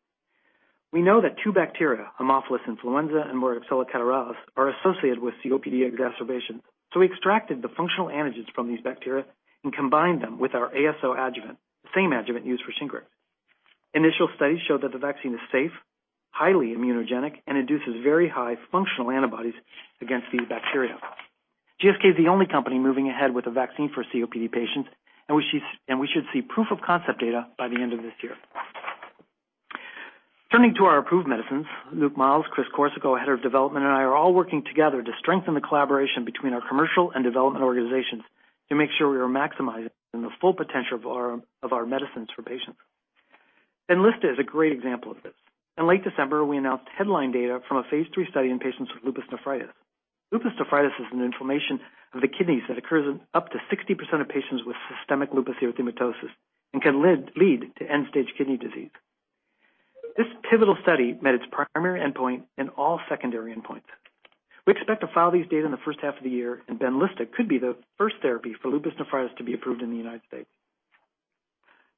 We know that two bacteria, Haemophilus influenzae and Moraxella catarrhalis, are associated with COPD exacerbations. We extracted the functional antigens from these bacteria and combined them with our AS01 adjuvant, the same adjuvant used for Shingrix. Initial studies show that the vaccine is safe, highly immunogenic, and induces very high functional antibodies against these bacteria. GSK is the only company moving ahead with a vaccine for COPD patients, and we should see proof of concept data by the end of this year. Turning to our approved medicines, Luke Miels, Chris Corsico, Head of Development, and I are all working together to strengthen the collaboration between our commercial and development organizations to make sure we are maximizing the full potential of our medicines for patients. BENLYSTA is a great example of this. In late December, we announced headline data from a phase III study in patients with lupus nephritis. Lupus nephritis is an inflammation of the kidneys that occurs in up to 60% of patients with systemic lupus erythematosus and can lead to end-stage kidney disease. This pivotal study met its primary endpoint and all secondary endpoints. We expect to file these data in the first half of the year, BENLYSTA could be the first therapy for lupus nephritis to be approved in the U.S.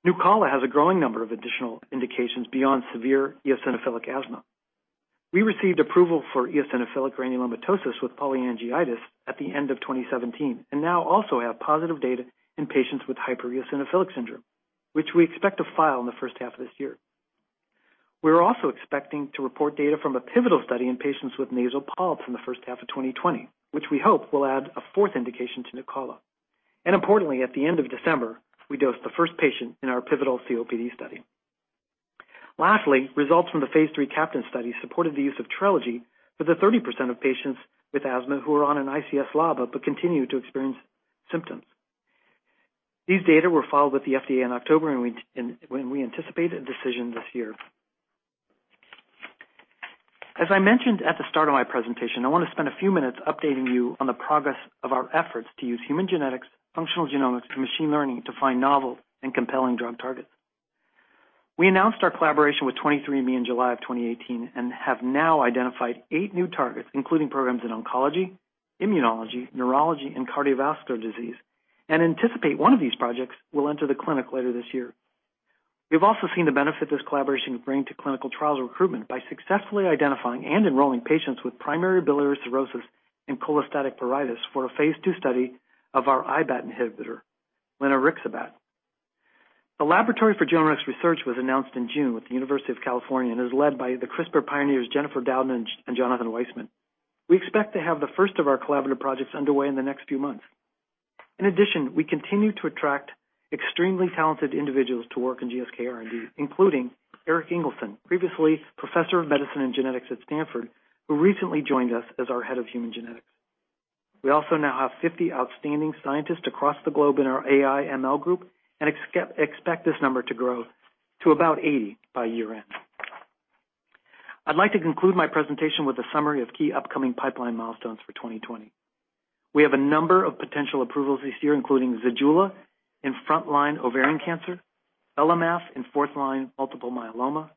NUCALA has a growing number of additional indications beyond severe eosinophilic asthma. We received approval for eosinophilic granulomatosis with polyangiitis at the end of 2017 and now also have positive data in patients with hypereosinophilic syndrome, which we expect to file in the first half of this year. We're also expecting to report data from a pivotal study in patients with nasal polyps in the first half of 2020, which we hope will add a fourth indication to NUCALA. Importantly, at the end of December, we dosed the first patient in our pivotal COPD study. Lastly, results from the phase III CAPTAIN study supported the use of Trelegy for the 30% of patients with asthma who are on an ICS/LABA but continue to experience symptoms. These data were filed with the FDA in October, and we anticipate a decision this year. As I mentioned at the start of my presentation, I want to spend a few minutes updating you on the progress of our efforts to use human genetics, functional genomics, and machine learning to find novel and compelling drug targets. We announced our collaboration with 23andMe in July of 2018 and have now identified eight new targets, including programs in oncology, immunology, neurology, and cardiovascular disease, and anticipate one of these projects will enter the clinic later this year. We've also seen the benefit this collaboration could bring to clinical trials recruitment by successfully identifying and enrolling patients with primary biliary cholangitis and cholestatic pruritus for a phase II study of our IBAT inhibitor, linerixibat. A laboratory for genomics research was announced in June with the University of California and is led by the CRISPR pioneers Jennifer Doudna and Jonathan Weissman. We expect to have the first of our collaborative projects underway in the next few months. In addition, we continue to attract extremely talented individuals to work in GSK R&D, including Erik Ingelsson, previously professor of Medicine and Genetics at Stanford, who recently joined us as our Head of Human Genetics. We also now have 50 outstanding scientists across the globe in our AI ML group, and expect this number to grow to about 80 by year-end. I'd like to conclude my presentation with a summary of key upcoming pipeline milestones for 2020. We have a number of potential approvals this year, including ZEJULA in front-line ovarian cancer, belantamab mafodotin in fourth-line multiple myeloma,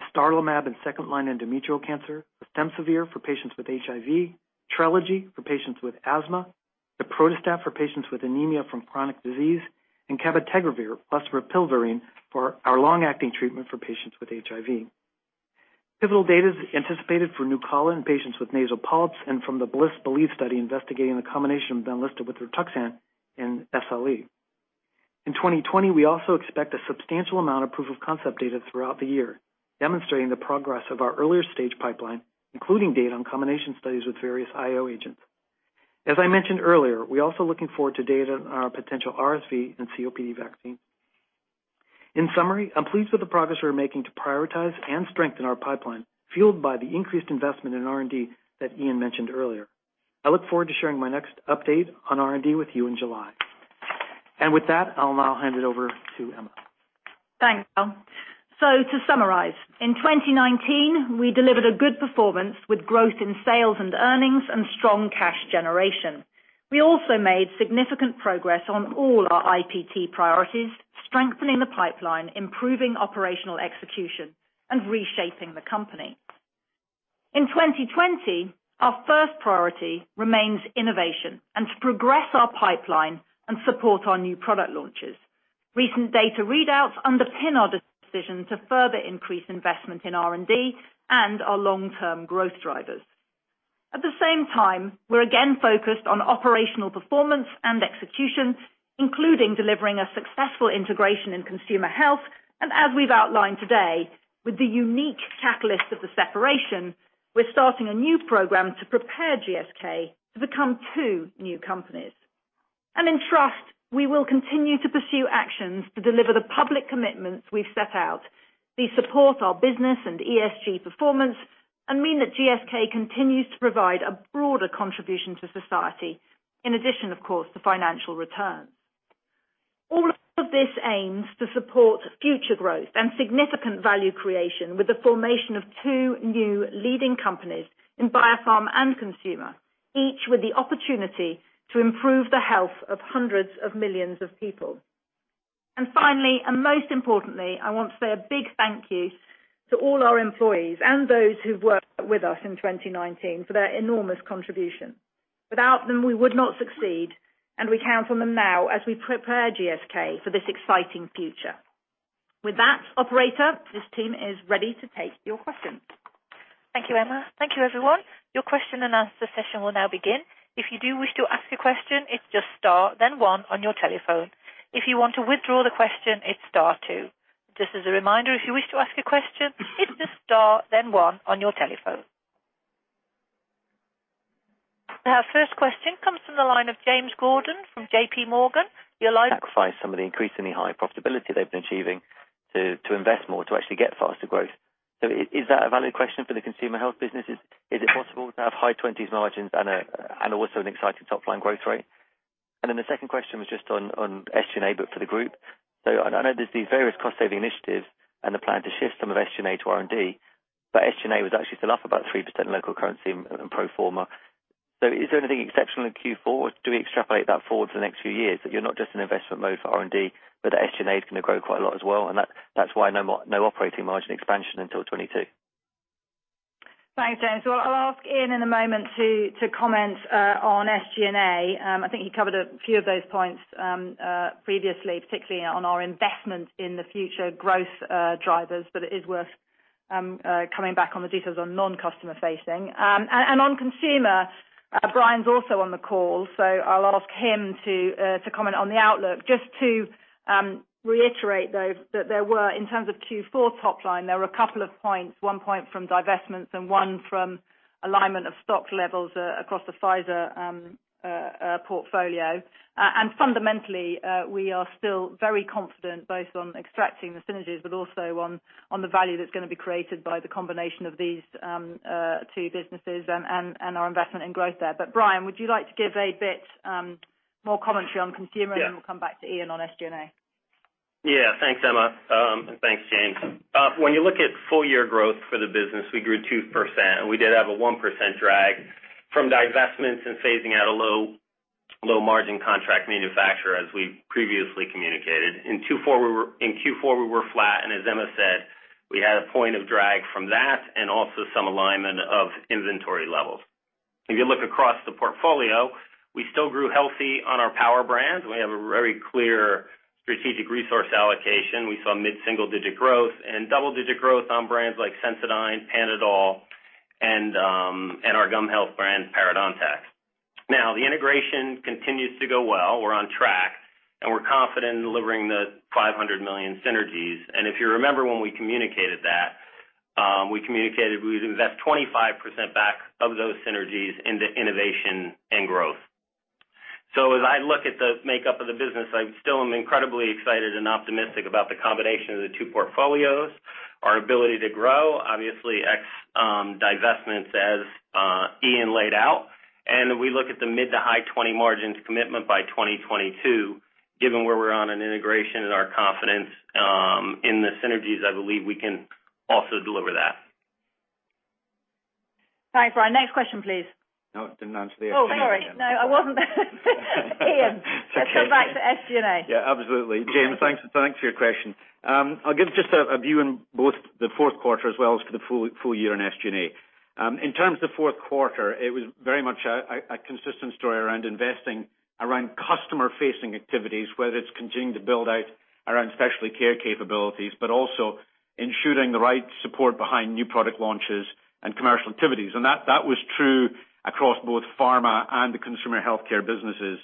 dostarlimab in second-line endometrial cancer, fostemsavir for patients with HIV, Trelegy for patients with asthma, daprodustat for patients with anemia from chronic disease, and cabotegravir/rilpivirine for our long-acting treatment for patients with HIV. Pivotal data is anticipated for NUCALA in patients with nasal polyps and from the BLISS-BELIEVE study investigating the combination of Benlysta with Rituxan in SLE. In 2020, we also expect a substantial amount of proof-of-concept data throughout the year, demonstrating the progress of our earlier stage pipeline, including data on combination studies with various IO agents. As I mentioned earlier, we're also looking forward to data on our potential RSV and COPD vaccine. In summary, I'm pleased with the progress we're making to prioritize and strengthen our pipeline, fueled by the increased investment in R&D that Iain mentioned earlier. I look forward to sharing my next update on R&D with you in July. With that, I'll now hand it over to Emma. Thanks, Hal. To summarize, in 2019, we delivered a good performance with growth in sales and earnings and strong cash generation. We also made significant progress on all our IPT priorities, strengthening the pipeline, improving operational execution, and reshaping the company. In 2020, our first priority remains innovation and to progress our pipeline and support our new product launches. Recent data readouts underpin our decision to further increase investment in R&D and our long-term growth drivers. At the same time, we're again focused on operational performance and execution, including delivering a successful integration in consumer health. As we've outlined today, with the unique catalyst of the separation, we're starting a new program to prepare GSK to become two new companies. In trust, we will continue to pursue actions to deliver the public commitments we've set out. These support our business and ESG performance and mean that GSK continues to provide a broader contribution to society, in addition, of course, to financial returns. All of this aims to support future growth and significant value creation with the formation of two new leading companies in biopharma and consumer, each with the opportunity to improve the health of hundreds of millions of people. Finally, and most importantly, I want to say a big thank you to all our employees and those who've worked with us in 2019 for their enormous contribution. Without them, we would not succeed, and we count on them now as we prepare GSK for this exciting future. With that, operator, this team is ready to take your questions. Thank you, Emma. Thank you, everyone. Your question and answer session will now begin. If you do wish to ask a question, it is just star then one on your telephone. If you want to withdraw the question, it is star two. Just as a reminder, if you wish to ask a question, it is just star then one on your telephone. Our first question comes from the line of James Gordon from JPMorgan. Your line. Sacrifice some of the increasingly high profitability they've been achieving to invest more to actually get faster growth. Is that a valid question for the consumer healthcare business? Is it possible to have high 20s margins and also an exciting top-line growth rate? Then the second question was just on SG&A, but for the group. I know there's these various cost-saving initiatives and the plan to shift some of SG&A to R&D, but SG&A was actually still up about 3% in local currency and pro forma. Is there anything exceptional in Q4, or do we extrapolate that forward to the next few years, that you're not just in investment mode for R&D, but that SG&A is going to grow quite a lot as well, and that's why no operating margin expansion until 2022? Thanks, James. Well, I'll ask Iain in a moment to comment on SG&A. I think he covered a few of those points previously, particularly on our investment in the future growth drivers, but it is worth coming back on the details on non-customer facing. On consumer, Brian's also on the call, so I'll ask him to comment on the outlook. Just to reiterate, though, that there were, in terms of Q4 top line, there were a couple of points, one point from divestments and one from alignment of stock levels across the Pfizer portfolio. Fundamentally, we are still very confident both on extracting the synergies, but also on the value that's going to be created by the combination of these two businesses and our investment in growth there. Brian, would you like to give a bit more commentary on consumer- Yeah We'll come back to Iain on SG&A. Yeah. Thanks, Emma. Thanks, James. When you look at full-year growth for the business, we grew 2%, and we did have a 1% drag from divestments and phasing out a low margin contract manufacturer as we previously communicated. In Q4, we were flat, and as Emma said, we had a point of drag from that and also some alignment of inventory levels. If you look across the portfolio, we still grew healthy on our power brands. We have a very clear strategic resource allocation. We saw mid-single digit growth and double-digit growth on brands like Sensodyne, Panadol, and our gum health brand, parodontax. Now, the integration continues to go well. We're on track and we're confident in delivering the 500 million synergies. If you remember when we communicated that, we communicated we would invest 25% back of those synergies into innovation and growth. As I look at the makeup of the business, I still am incredibly excited and optimistic about the combination of the two portfolios, our ability to grow, obviously ex divestments as Iain laid out. We look at the mid to high 20 margins commitment by 2022, given where we're on in integration and our confidence in the synergies, I believe we can also deliver that. Thanks, Brian. Next question, please. No, it didn't answer the SG&A. Oh, sorry. No, Iain. It's okay. Let's go back to SG&A. Yeah, absolutely. James, thanks for your question. I'll give just a view on both the fourth quarter as well as for the full year in SG&A. In terms of fourth quarter, it was very much a consistent story around investing around customer-facing activities, whether it's continuing to build out around specialty care capabilities, but also ensuring the right support behind new product launches and commercial activities. That was true across both pharma and the consumer healthcare businesses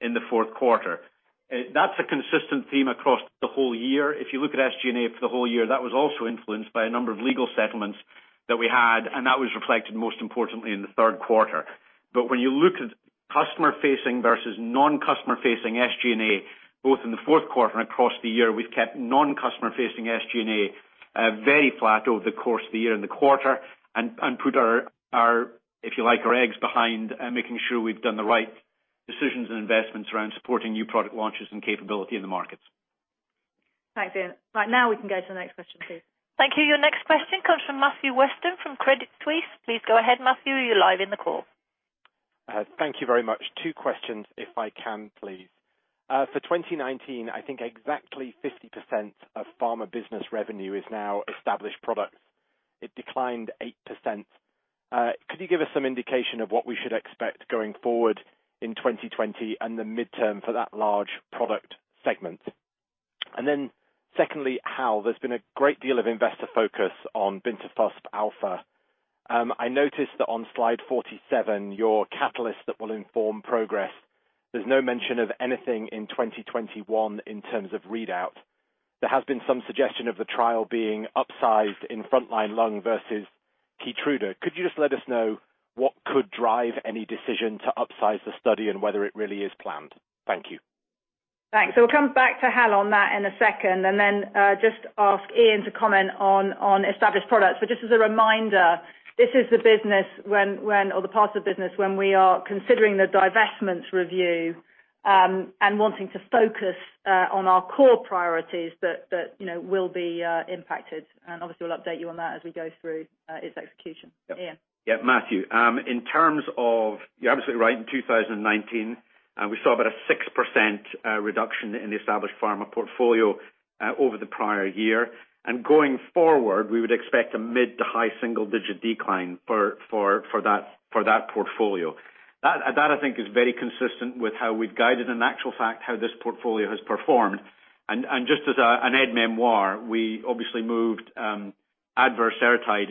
in the fourth quarter. That's a consistent theme across the whole year. If you look at SG&A for the whole year, that was also influenced by a number of legal settlements that we had, and that was reflected most importantly in the third quarter. When you look at customer-facing versus non-customer-facing SG&A, both in the fourth quarter and across the year, we've kept non-customer-facing SG&A very flat over the course of the year and the quarter and put our, if you like, our eggs behind making sure we've done the right decisions and investments around supporting new product launches and capability in the markets. Thanks, Iain. Right now we can go to the next question, please. Thank you. Your next question comes from Matthew Weston from Credit Suisse. Please go ahead, Matthew. You're live in the call. Thank you very much. Two questions if I can, please. For 2019, I think exactly 50% of pharma business revenue is now established products. It declined 8%. Could you give us some indication of what we should expect going forward in 2020 and the midterm for that large product segment? Secondly, Hal, there's been a great deal of investor focus on bintrafusp alfa. I noticed that on slide 47, your catalyst that will inform progress, there's no mention of anything in 2021 in terms of readout. There has been some suggestion of the trial being upsized in front-line lung versus KEYTRUDA. Could you just let us know what could drive any decision to upsize the study and whether it really is planned? Thank you. Thanks. We'll come back to Hal on that in a second, and then just ask Iain to comment on established products. Just as a reminder, this is the business when, or the part of the business, when we are considering the divestment review and wanting to focus on our core priorities that will be impacted. Obviously, we'll update you on that as we go through its execution. Iain. Yeah, Matthew. You're absolutely right. In 2019, we saw about a 6% reduction in the established pharma portfolio over the prior year. Going forward, we would expect a mid to high single-digit decline for that portfolio. That I think is very consistent with how we've guided, in actual fact, how this portfolio has performed. Just as an aide-mémoire, we obviously moved Advair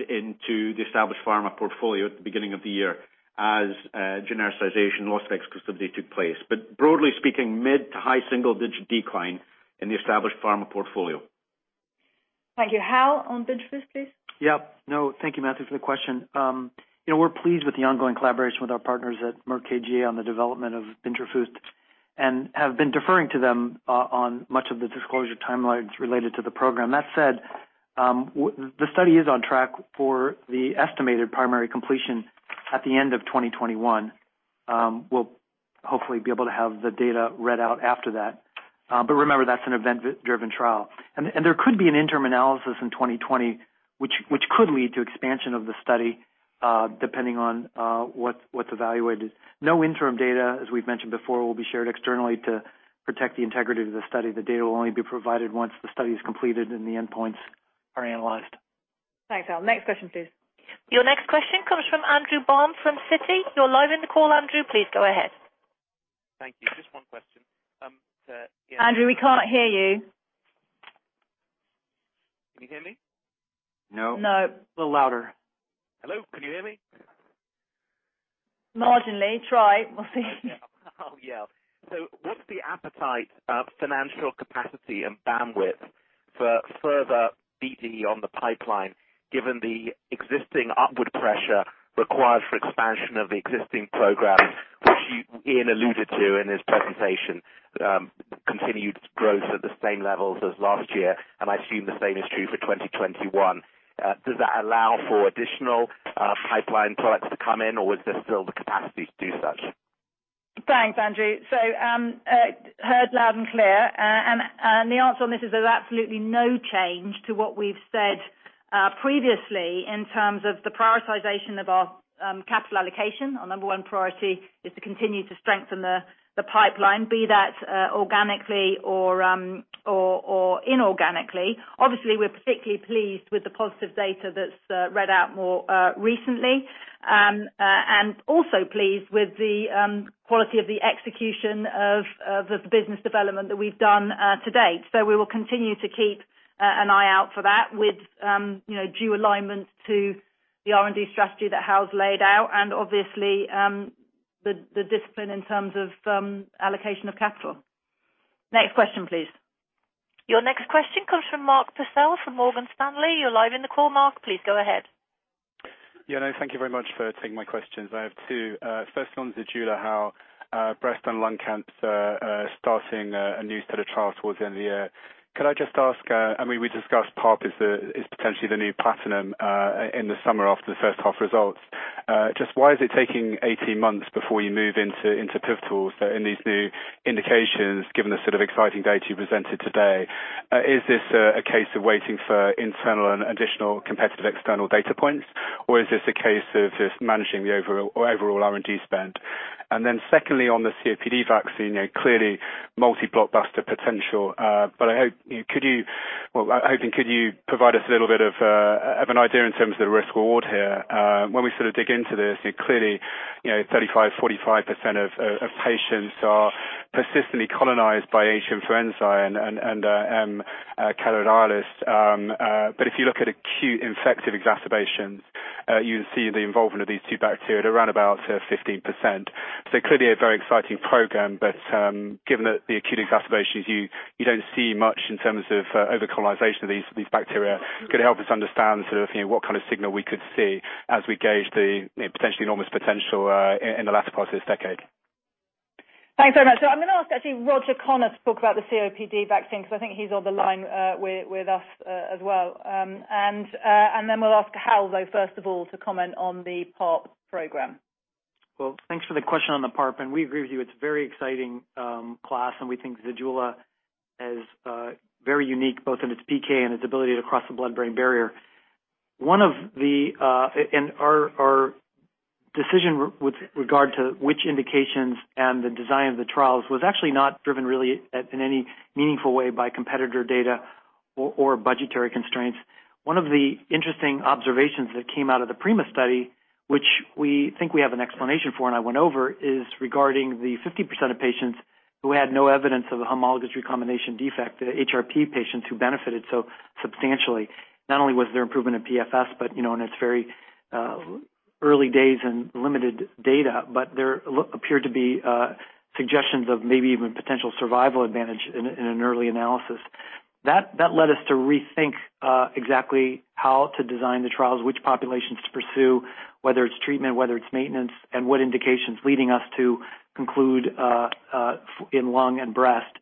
into the established pharma portfolio at the beginning of the year as genericization loss of exclusivity took place. Broadly speaking, mid to high single-digit decline in the established pharma portfolio. Thank you. Hal, on bintrafusp, please. Yeah. No, thank you, Matthew, for the question. We're pleased with the ongoing collaboration with our partners at Merck KGaA on the development of bintrafusp alfa and have been deferring to them on much of the disclosure timelines related to the program. That said, the study is on track for the estimated primary completion at the end of 2021. We'll hopefully be able to have the data read out after that. Remember, that's an event-driven trial. There could be an interim analysis in 2020, which could lead to expansion of the study, depending on what's evaluated. No interim data, as we've mentioned before, will be shared externally to protect the integrity of the study. The data will only be provided once the study is completed and the endpoints are analyzed. Thanks, Hal. Next question, please. Your next question comes from Andrew Baum from Citi. You're live in the call, Andrew. Please go ahead. Thank you. Just one question to Iain. Andrew, we can't hear you. Can you hear me? No. No. A little louder. Hello? Can you hear me? Marginally. Try. We'll see. What's the appetite of financial capacity and bandwidth for further BD on the pipeline, given the existing upward pressure required for expansion of the existing program, which Iain alluded to in his presentation, continued growth at the same levels as last year, and I assume the same is true for 2021. Does that allow for additional pipeline products to come in, or is there still the capacity to do such? Thanks, Andrew. Heard loud and clear. The answer on this is there's absolutely no change to what we've said previously in terms of the prioritization of our capital allocation. Our number one priority is to continue to strengthen the pipeline, be that organically or inorganically. Obviously, we're particularly pleased with the positive data that's read out more recently, and also pleased with the quality of the execution of the business development that we've done to date. We will continue to keep an eye out for that with due alignment to the R&D strategy that Hal's laid out, and obviously, the discipline in terms of allocation of capital. Next question, please. Your next question comes from Mark Purcell from Morgan Stanley. You're live in the call, Mark. Please go ahead. Thank you very much for taking my questions. I have two. First one to ZEJULA. Breast and lung cancer are starting a new set of trials towards the end of the year. Could I just ask, we discussed PARP is potentially the new platinum in the summer after the first half results. Why is it taking 18 months before you move into pivotal trials in these new indications, given the sort of exciting data you presented today? Is this a case of waiting for internal and additional competitive external data points, or is this a case of just managing the overall R&D spend? Secondly, on the COPD vaccine, clearly multi-blockbuster potential. I'm hoping could you provide us a little bit of an idea in terms of the risk reward here? When we sort of dig into this, clearly, 35%, 45% of patients are persistently colonized by Haemophilus influenzae and Bacteroides. If you look at acute infective exacerbations, you see the involvement of these two bacteria at around about 15%. Clearly a very exciting program. Given that the acute exacerbations you don't see much in terms of over-colonization of these bacteria. Could you help us understand sort of, what kind of signal we could see as we gauge the potentially enormous potential in the latter part of this decade? Thanks very much. I'm going to ask actually Roger Connor to talk about the COPD vaccine, because I think he's on the line with us as well. Then we'll ask Hal, though, first of all to comment on the PARP program. Well, thanks for the question on the PARP. We agree with you. It's a very exciting class. We think ZEJULA is very unique both in its PK and its ability to cross the blood-brain barrier. Our decision with regard to which indications and the design of the trials was actually not driven really in any meaningful way by competitor data or budgetary constraints. One of the interesting observations that came out of the PRIMA study, which we think we have an explanation for, and I went over, is regarding the 50% of patients who had no evidence of a homologous recombination defect, the HRP patients who benefited so substantially. Not only was there improvement in PFS, but in its very early days and limited data, but there appeared to be suggestions of maybe even potential survival advantage in an early analysis. That led us to rethink exactly how to design the trials, which populations to pursue, whether it's treatment, whether it's maintenance, and what indications, leading us to conclude in lung and breast.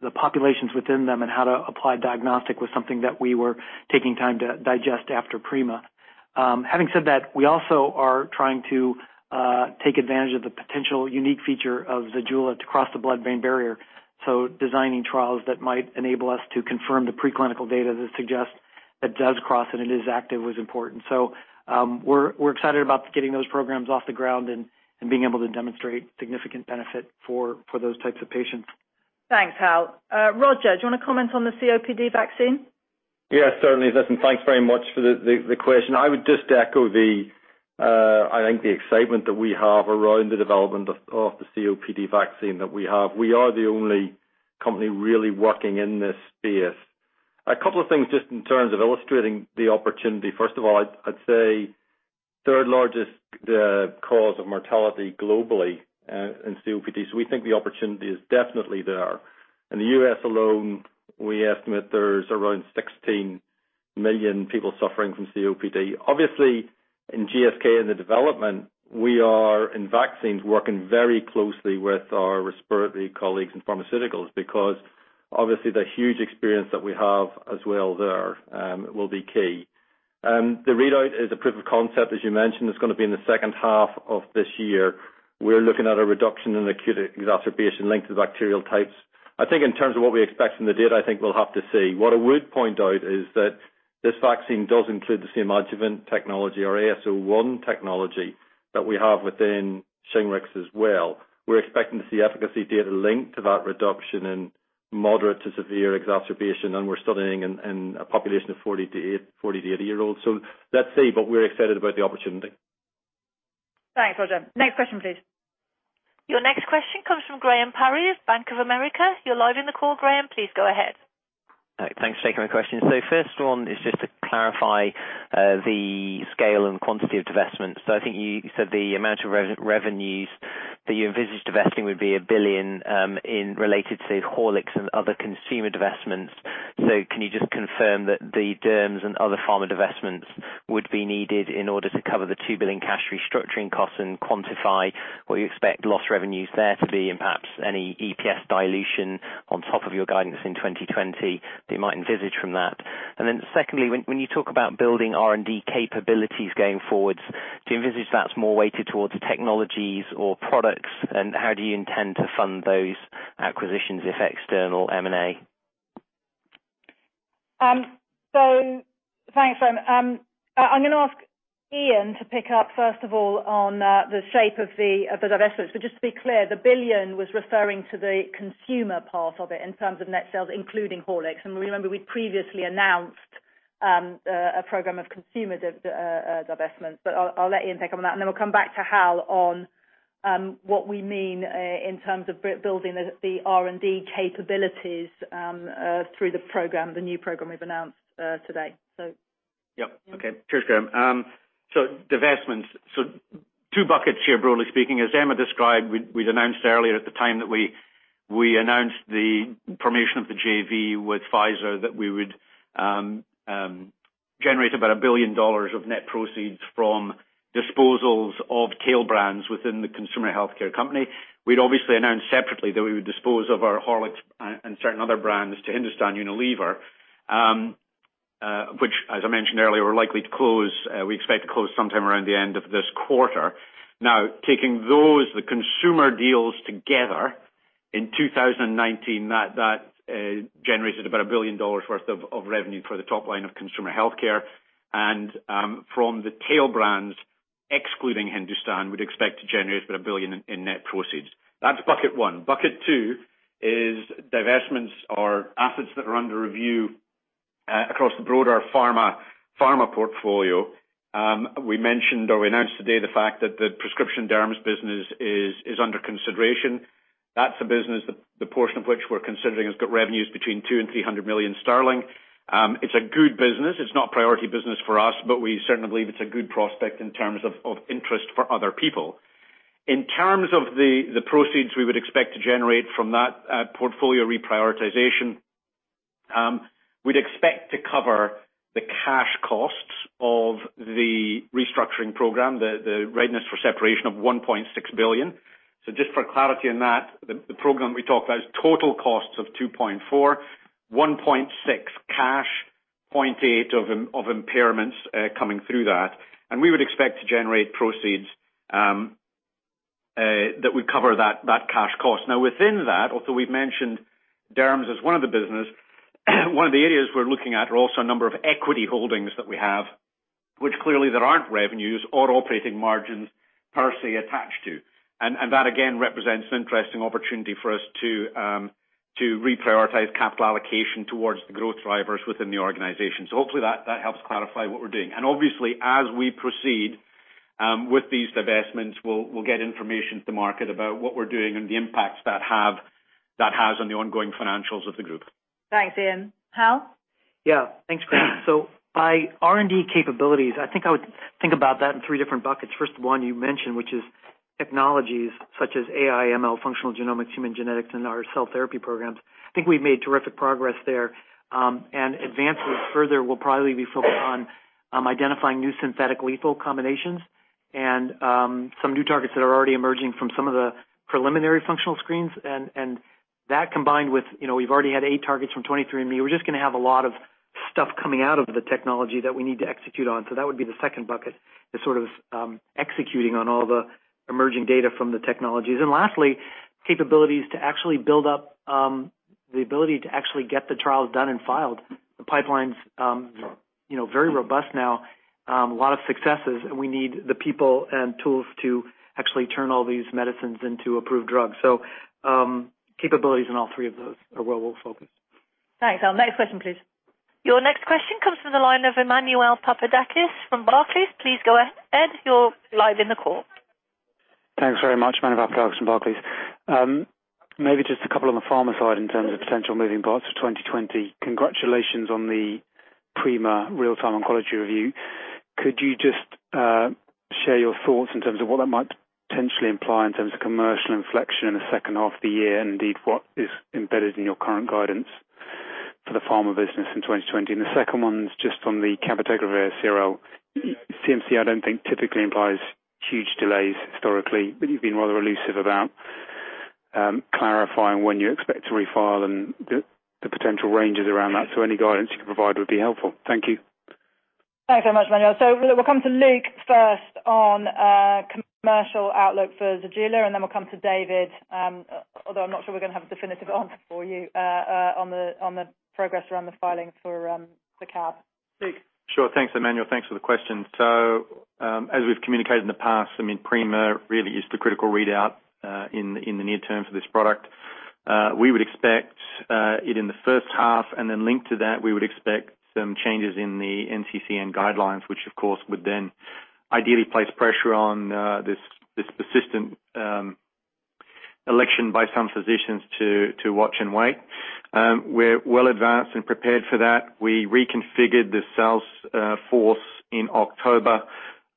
The populations within them and how to apply diagnostic was something that we were taking time to digest after PRIMA. Having said that, we also are trying to take advantage of the potential unique feature of ZEJULA to cross the blood-brain barrier. Designing trials that might enable us to confirm the preclinical data that suggests it does cross and it is active was important. We're excited about getting those programs off the ground and being able to demonstrate significant benefit for those types of patients. Thanks, Hal. Roger, do you want to comment on the COPD vaccine? Yeah, certainly. Listen, thanks very much for the question. I would just echo the excitement that we have around the development of the COPD vaccine that we have. We are the only company really working in this space. A couple of things just in terms of illustrating the opportunity. First of all, I'd say third largest cause of mortality globally in COPD. We think the opportunity is definitely there. In the U.S. alone, we estimate there's around 16 million people suffering from COPD. Obviously, in GSK, in the development, we are in vaccines, working very closely with our respiratory colleagues in pharmaceuticals, because obviously the huge experience that we have as well there will be key. The readout is a proof of concept, as you mentioned. It's going to be in the second half of this year. We're looking at a reduction in acute exacerbation linked to bacterial types. I think in terms of what we expect from the data, I think we'll have to see. What I would point out is that this vaccine does include the same adjuvant technology or AS01 technology that we have within Shingrix as well. We're expecting to see efficacy data linked to that reduction in moderate to severe exacerbation, and we're studying in a population of 40-80 year olds. Let's see, but we're excited about the opportunity. Thanks, Roger. Next question, please. Your next question comes from Graham Parry of Bank of America. You're live in the call, Graham. Please go ahead. Thanks for taking my question. First one is just to clarify the scale and quantity of divestments. I think you said the amount of revenues that you envisage divesting would be 1 billion in related to Horlicks and other consumer divestments. Can you just confirm that the derms and other pharma divestments would be needed in order to cover the 2 billion cash restructuring costs and quantify what you expect loss revenues there to be and perhaps any EPS dilution on top of your guidance in 2020 that you might envisage from that? Secondly, when you talk about building R&D capabilities going forwards, do you envisage that's more weighted towards technologies or products, and how do you intend to fund those acquisitions if external M&A? Thanks, Graham. I'm going to ask Iain to pick up first of all on the shape of the divestments. Just to be clear, the 1 billion was referring to the consumer part of it in terms of net sales, including Horlicks. Remember, we previously announced a program of consumer divestments. I'll let Iain take on that, and then we'll come back to Hal on what we mean in terms of building the R&D capabilities through the new program we've announced today. Yep. Okay. Cheers, Graham. Divestments. Two buckets here, broadly speaking, as Emma described, we'd announced earlier at the time that we announced the formation of the JV with Pfizer, that we would generate about GBP 1 billion of net proceeds from disposals of tail brands within the consumer healthcare company. We'd obviously announced separately that we would dispose of our Horlicks and certain other brands to Hindustan Unilever, which as I mentioned earlier, we expect to close sometime around the end of this quarter. Taking those, the consumer deals together, in 2019, that generated about GBP 1 billion worth of revenue for the top line of consumer healthcare. From the tail brands, excluding Hindustan Unilever, we'd expect to generate about 1 billion in net proceeds. That's bucket one. Bucket two is divestments or assets that are under review across the broader pharma portfolio. We mentioned or we announced today the fact that the prescription derms business is under consideration. That's a business, the portion of which we're considering has got revenues between 200 million-300 million sterling. It's a good business. It's not a priority business for us, but we certainly believe it's a good prospect in terms of interest for other people. In terms of the proceeds we would expect to generate from that portfolio reprioritization, we'd expect to cover the cash costs of the restructuring program, the readiness for separation of 1.6 billion. Just for clarity on that, the program we talk about is total costs of 2.4, 1.6 cash, 0.8 of impairments coming through that. And we would expect to generate proceeds that would cover that cash cost. Within that, although we've mentioned derms as one of the business, one of the areas we're looking at are also a number of equity holdings that we have, which clearly there aren't revenues or operating margins per se attached to. That again represents an interesting opportunity for us to reprioritize capital allocation towards the growth drivers within the organization. Hopefully that helps clarify what we're doing. Obviously as we proceed with these divestments, we'll get information to market about what we're doing and the impacts that has on the ongoing financials of the group. Thanks, Iain. Hal? Yeah, thanks Graham. By R&D capabilities, I think I would think about that in three different buckets. First one you mentioned, which is technologies such as AI ML, functional genomics, human genetics, and our cell therapy programs. I think we've made terrific progress there. Advances further will probably be focused on identifying new synthetic lethal combinations and some new targets that are already emerging from some of the preliminary functional screens. That combined with we've already had eight targets from 23andMe. We're just going to have a lot of stuff coming out of the technology that we need to execute on. That would be the second bucket, is sort of executing on all the emerging data from the technologies. Lastly, capabilities to actually build up the ability to actually get the trials done and filed. The pipeline's very robust now. A lot of successes, we need the people and tools to actually turn all these medicines into approved drugs. Capabilities in all three of those are where we're focused. Thanks, Hal. Next question, please. Your next question comes from the line of Emmanuel Papadakis from Barclays. Please go ahead. You are live in the call. Thanks very much. Emmanuel Papadakis from Barclays. Maybe just a couple on the pharma side in terms of potential moving parts for 2020. Congratulations on the PRIMA Real-Time Oncology Review. Could you just share your thoughts in terms of what that might potentially imply in terms of commercial inflection in the second half of the year? Indeed, what is embedded in your current guidance for the pharma business in 2020? The second one is just on the cabotegravir CRL. CMC, I don't think typically implies huge delays historically, but you've been rather elusive about clarifying when you expect to refile and the potential ranges around that. Any guidance you can provide would be helpful. Thank you. Thanks very much, Emmanuel. We'll come to Luke first on commercial outlook for ZEJULA, and then we'll come to David, although I'm not sure we're going to have a definitive answer for you on the progress around the filings for the cab. Sure. Thanks, Emmanuel. Thanks for the question. As we've communicated in the past, PRIMA really is the critical readout in the near term for this product. We would expect it in the first half, linked to that, we would expect some changes in the NCCN guidelines, which of course would ideally place pressure on this persistent election by some physicians to watch and wait. We're well advanced and prepared for that. We reconfigured the sales force in October.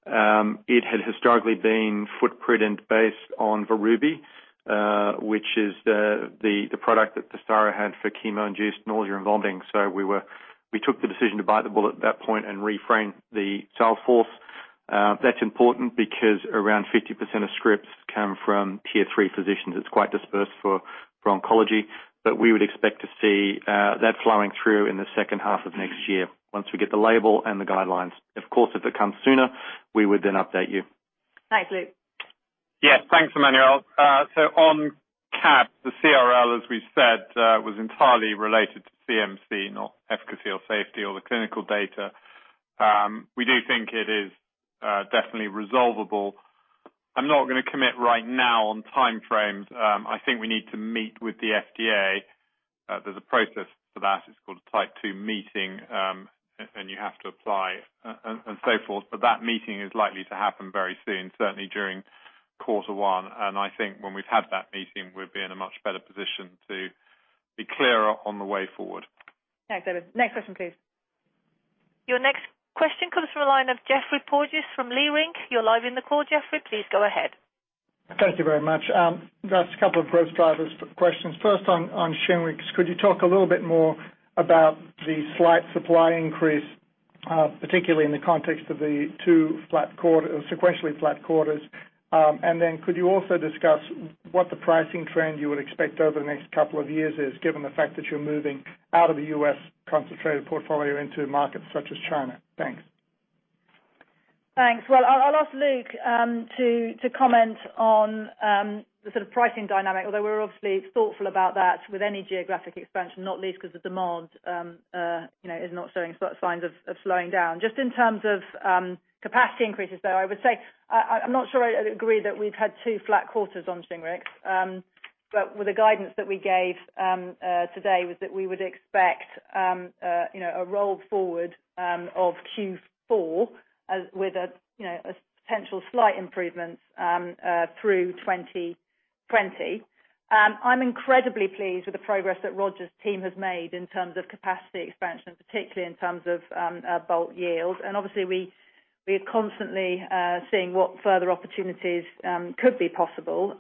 It had historically been footprint and based on Varubi, which is the product that Tesaro had for chemo-induced nausea and vomiting. We took the decision to bite the bullet at that point and reframe the sales force. That's important because around 50% of scripts come from Tier 3 physicians. It's quite dispersed for oncology. We would expect to see that flowing through in the second half of next year once we get the label and the guidelines. Of course, if it comes sooner, we would then update you. Thanks, Luke. Yeah, thanks, Emmanuel. On cab, the CRL, as we've said, was entirely related to CMC, not efficacy or safety or the clinical data. We do think it is definitely resolvable. I'm not going to commit right now on time frames. I think we need to meet with the FDA There's a process for that. It's called a Type B meeting, and you have to apply and so fourth. That meeting is likely to happen very soon, certainly during quarter one. I think when we've had that meeting, we'll be in a much better position to be clearer on the way forward. Thanks, David. Next question, please. Your next question comes from the line of Geoffrey Porges from Leerink. You're live in the call, Geoffrey. Please go ahead. Thank you very much. Just a couple of growth drivers questions. First on Shingrix. Could you talk a little bit more about the slight supply increase, particularly in the context of the two sequentially flat quarters? Could you also discuss what the pricing trend you would expect over the next couple of years is, given the fact that you're moving out of the U.S. concentrated portfolio into markets such as China? Thanks. Thanks. I'll ask Luke to comment on the sort of pricing dynamic, although we're obviously thoughtful about that with any geographic expansion, not least because the demand is not showing signs of slowing down. Just in terms of capacity increases, though, I would say I'm not sure I'd agree that we've had two flat quarters on Shingrix. With the guidance that we gave today was that we would expect a roll forward of Q4 with a potential slight improvement through 2020. I'm incredibly pleased with the progress that Roger's team has made in terms of capacity expansion, particularly in terms of bulk yield. Obviously, we are constantly seeing what further opportunities could be possible.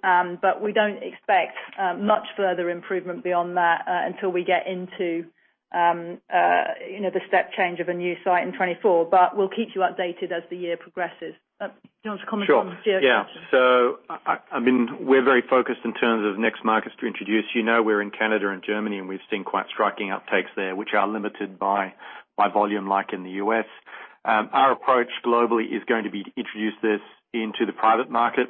We don't expect much further improvement beyond that until we get into the step change of a new site in 2024. We'll keep you updated as the year progresses. Do you want to comment on the geographic? Sure. Yeah. We're very focused in terms of next markets to introduce. You know we're in Canada and Germany, and we've seen quite striking uptakes there, which are limited by volume, like in the U.S. Our approach globally is going to be to introduce this into the private market,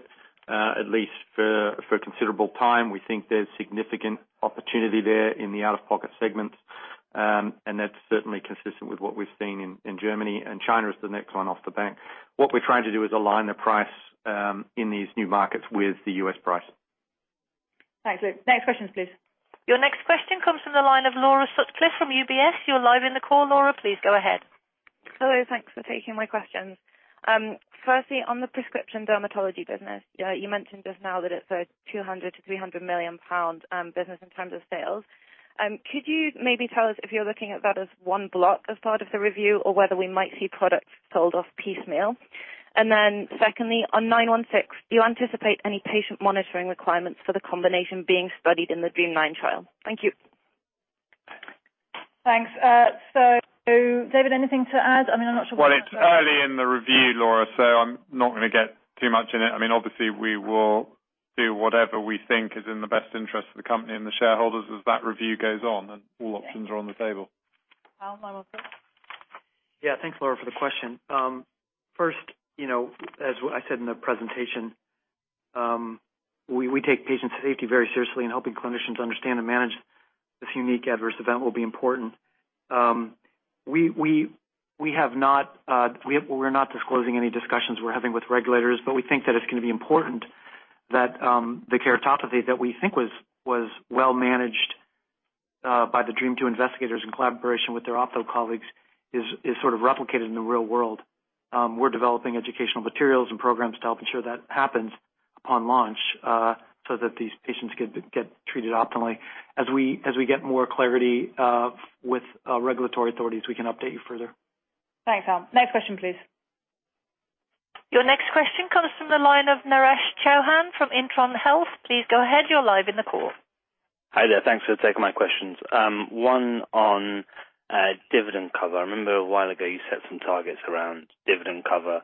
at least for a considerable time. We think there's significant opportunity there in the out-of-pocket segments, and that's certainly consistent with what we've seen in Germany. China is the next one off the bank. What we're trying to do is align the price in these new markets with the U.S. price. Thanks, Luke. Next questions, please. Your next question comes from the line of Laura Sutcliffe from UBS. You're live in the call, Laura, please go ahead. Hello, thanks for taking my questions. Firstly, on the prescription dermatology business, you mentioned just now that it's a 200 million-300 million pound business in terms of sales. Could you maybe tell us if you're looking at that as one block as part of the review or whether we might see products sold off piecemeal? Secondly, on 916, do you anticipate any patient monitoring requirements for the combination being studied in the DREAMM-9 trial? Thank you. Thanks. David, anything to add? I mean, Well, it's early in the review, Laura, so I'm not going to get too much in it. Obviously, we will do whatever we think is in the best interest of the company and the shareholders as that review goes on, and all options are on the table. Hal, want to take it? Thanks, Laura, for the question. First, as I said in the presentation, we take patient safety very seriously, and helping clinicians understand and manage this unique adverse event will be important. We're not disclosing any discussions we're having with regulators, but we think that it's going to be important that the keratopathy that we think was well managed by the DREAMM-2 investigators in collaboration with their ophtho colleagues is sort of replicated in the real world. We're developing educational materials and programs to help ensure that happens on launch so that these patients get treated optimally. As we get more clarity with regulatory authorities, we can update you further. Thanks, Hal. Next question, please. Your next question comes from the line of Naresh Chouhan from Intron Health. Please go ahead. You are live in the call. Hi there. Thanks for taking my questions. One on dividend cover. I remember a while ago you set some targets around dividend cover.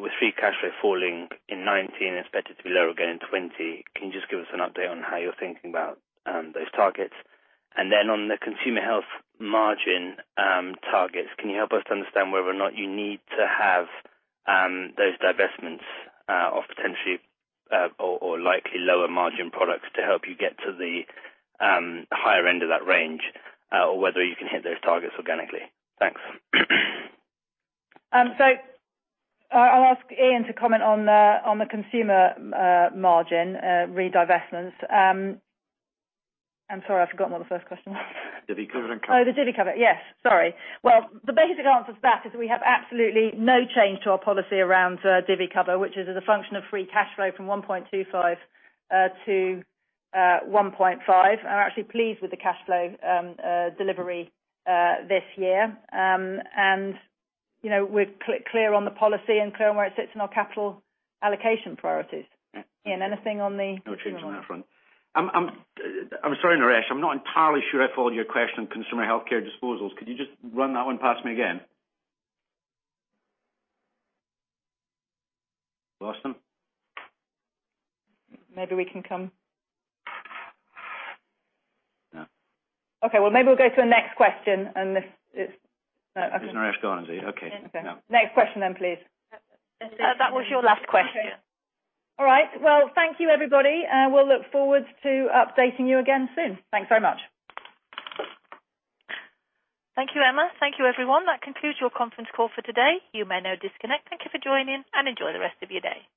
With free cash flow falling in 2019, expected to be lower again in 2020, can you just give us an update on how you're thinking about those targets? Then on the consumer health margin targets, can you help us understand whether or not you need to have those divestments of potentially or likely lower margin products to help you get to the higher end of that range, or whether you can hit those targets organically? Thanks. I'll ask Iain to comment on the consumer margin re divestments. I'm sorry, I've forgotten what the first question was. Divi cover and cover. Oh, the divi cover. Yes. Sorry. Well, the basic answer to that is we have absolutely no change to our policy around divi cover, which is as a function of free cash flow from 1.25 to 1.5. I'm actually pleased with the cash flow delivery this year. We're clear on the policy and clear on where it sits in our capital allocation priorities. Iain, anything on the consumer one? No change on that front. I'm sorry, Naresh, I'm not entirely sure I followed your question on consumer healthcare disposals. Could you just run that one past me again? Lost him. Maybe we can come. No. Okay. Well, maybe we'll go to the next question, unless it's No. Okay. Naresh gone, is he? Okay. Yeah. Next question then, please. That was your last question. All right. Well, thank you, everybody. We'll look forward to updating you again soon. Thanks very much. Thank you, Emma. Thank you, everyone. That concludes your conference call for today. You may now disconnect. Thank you for joining, and enjoy the rest of your day.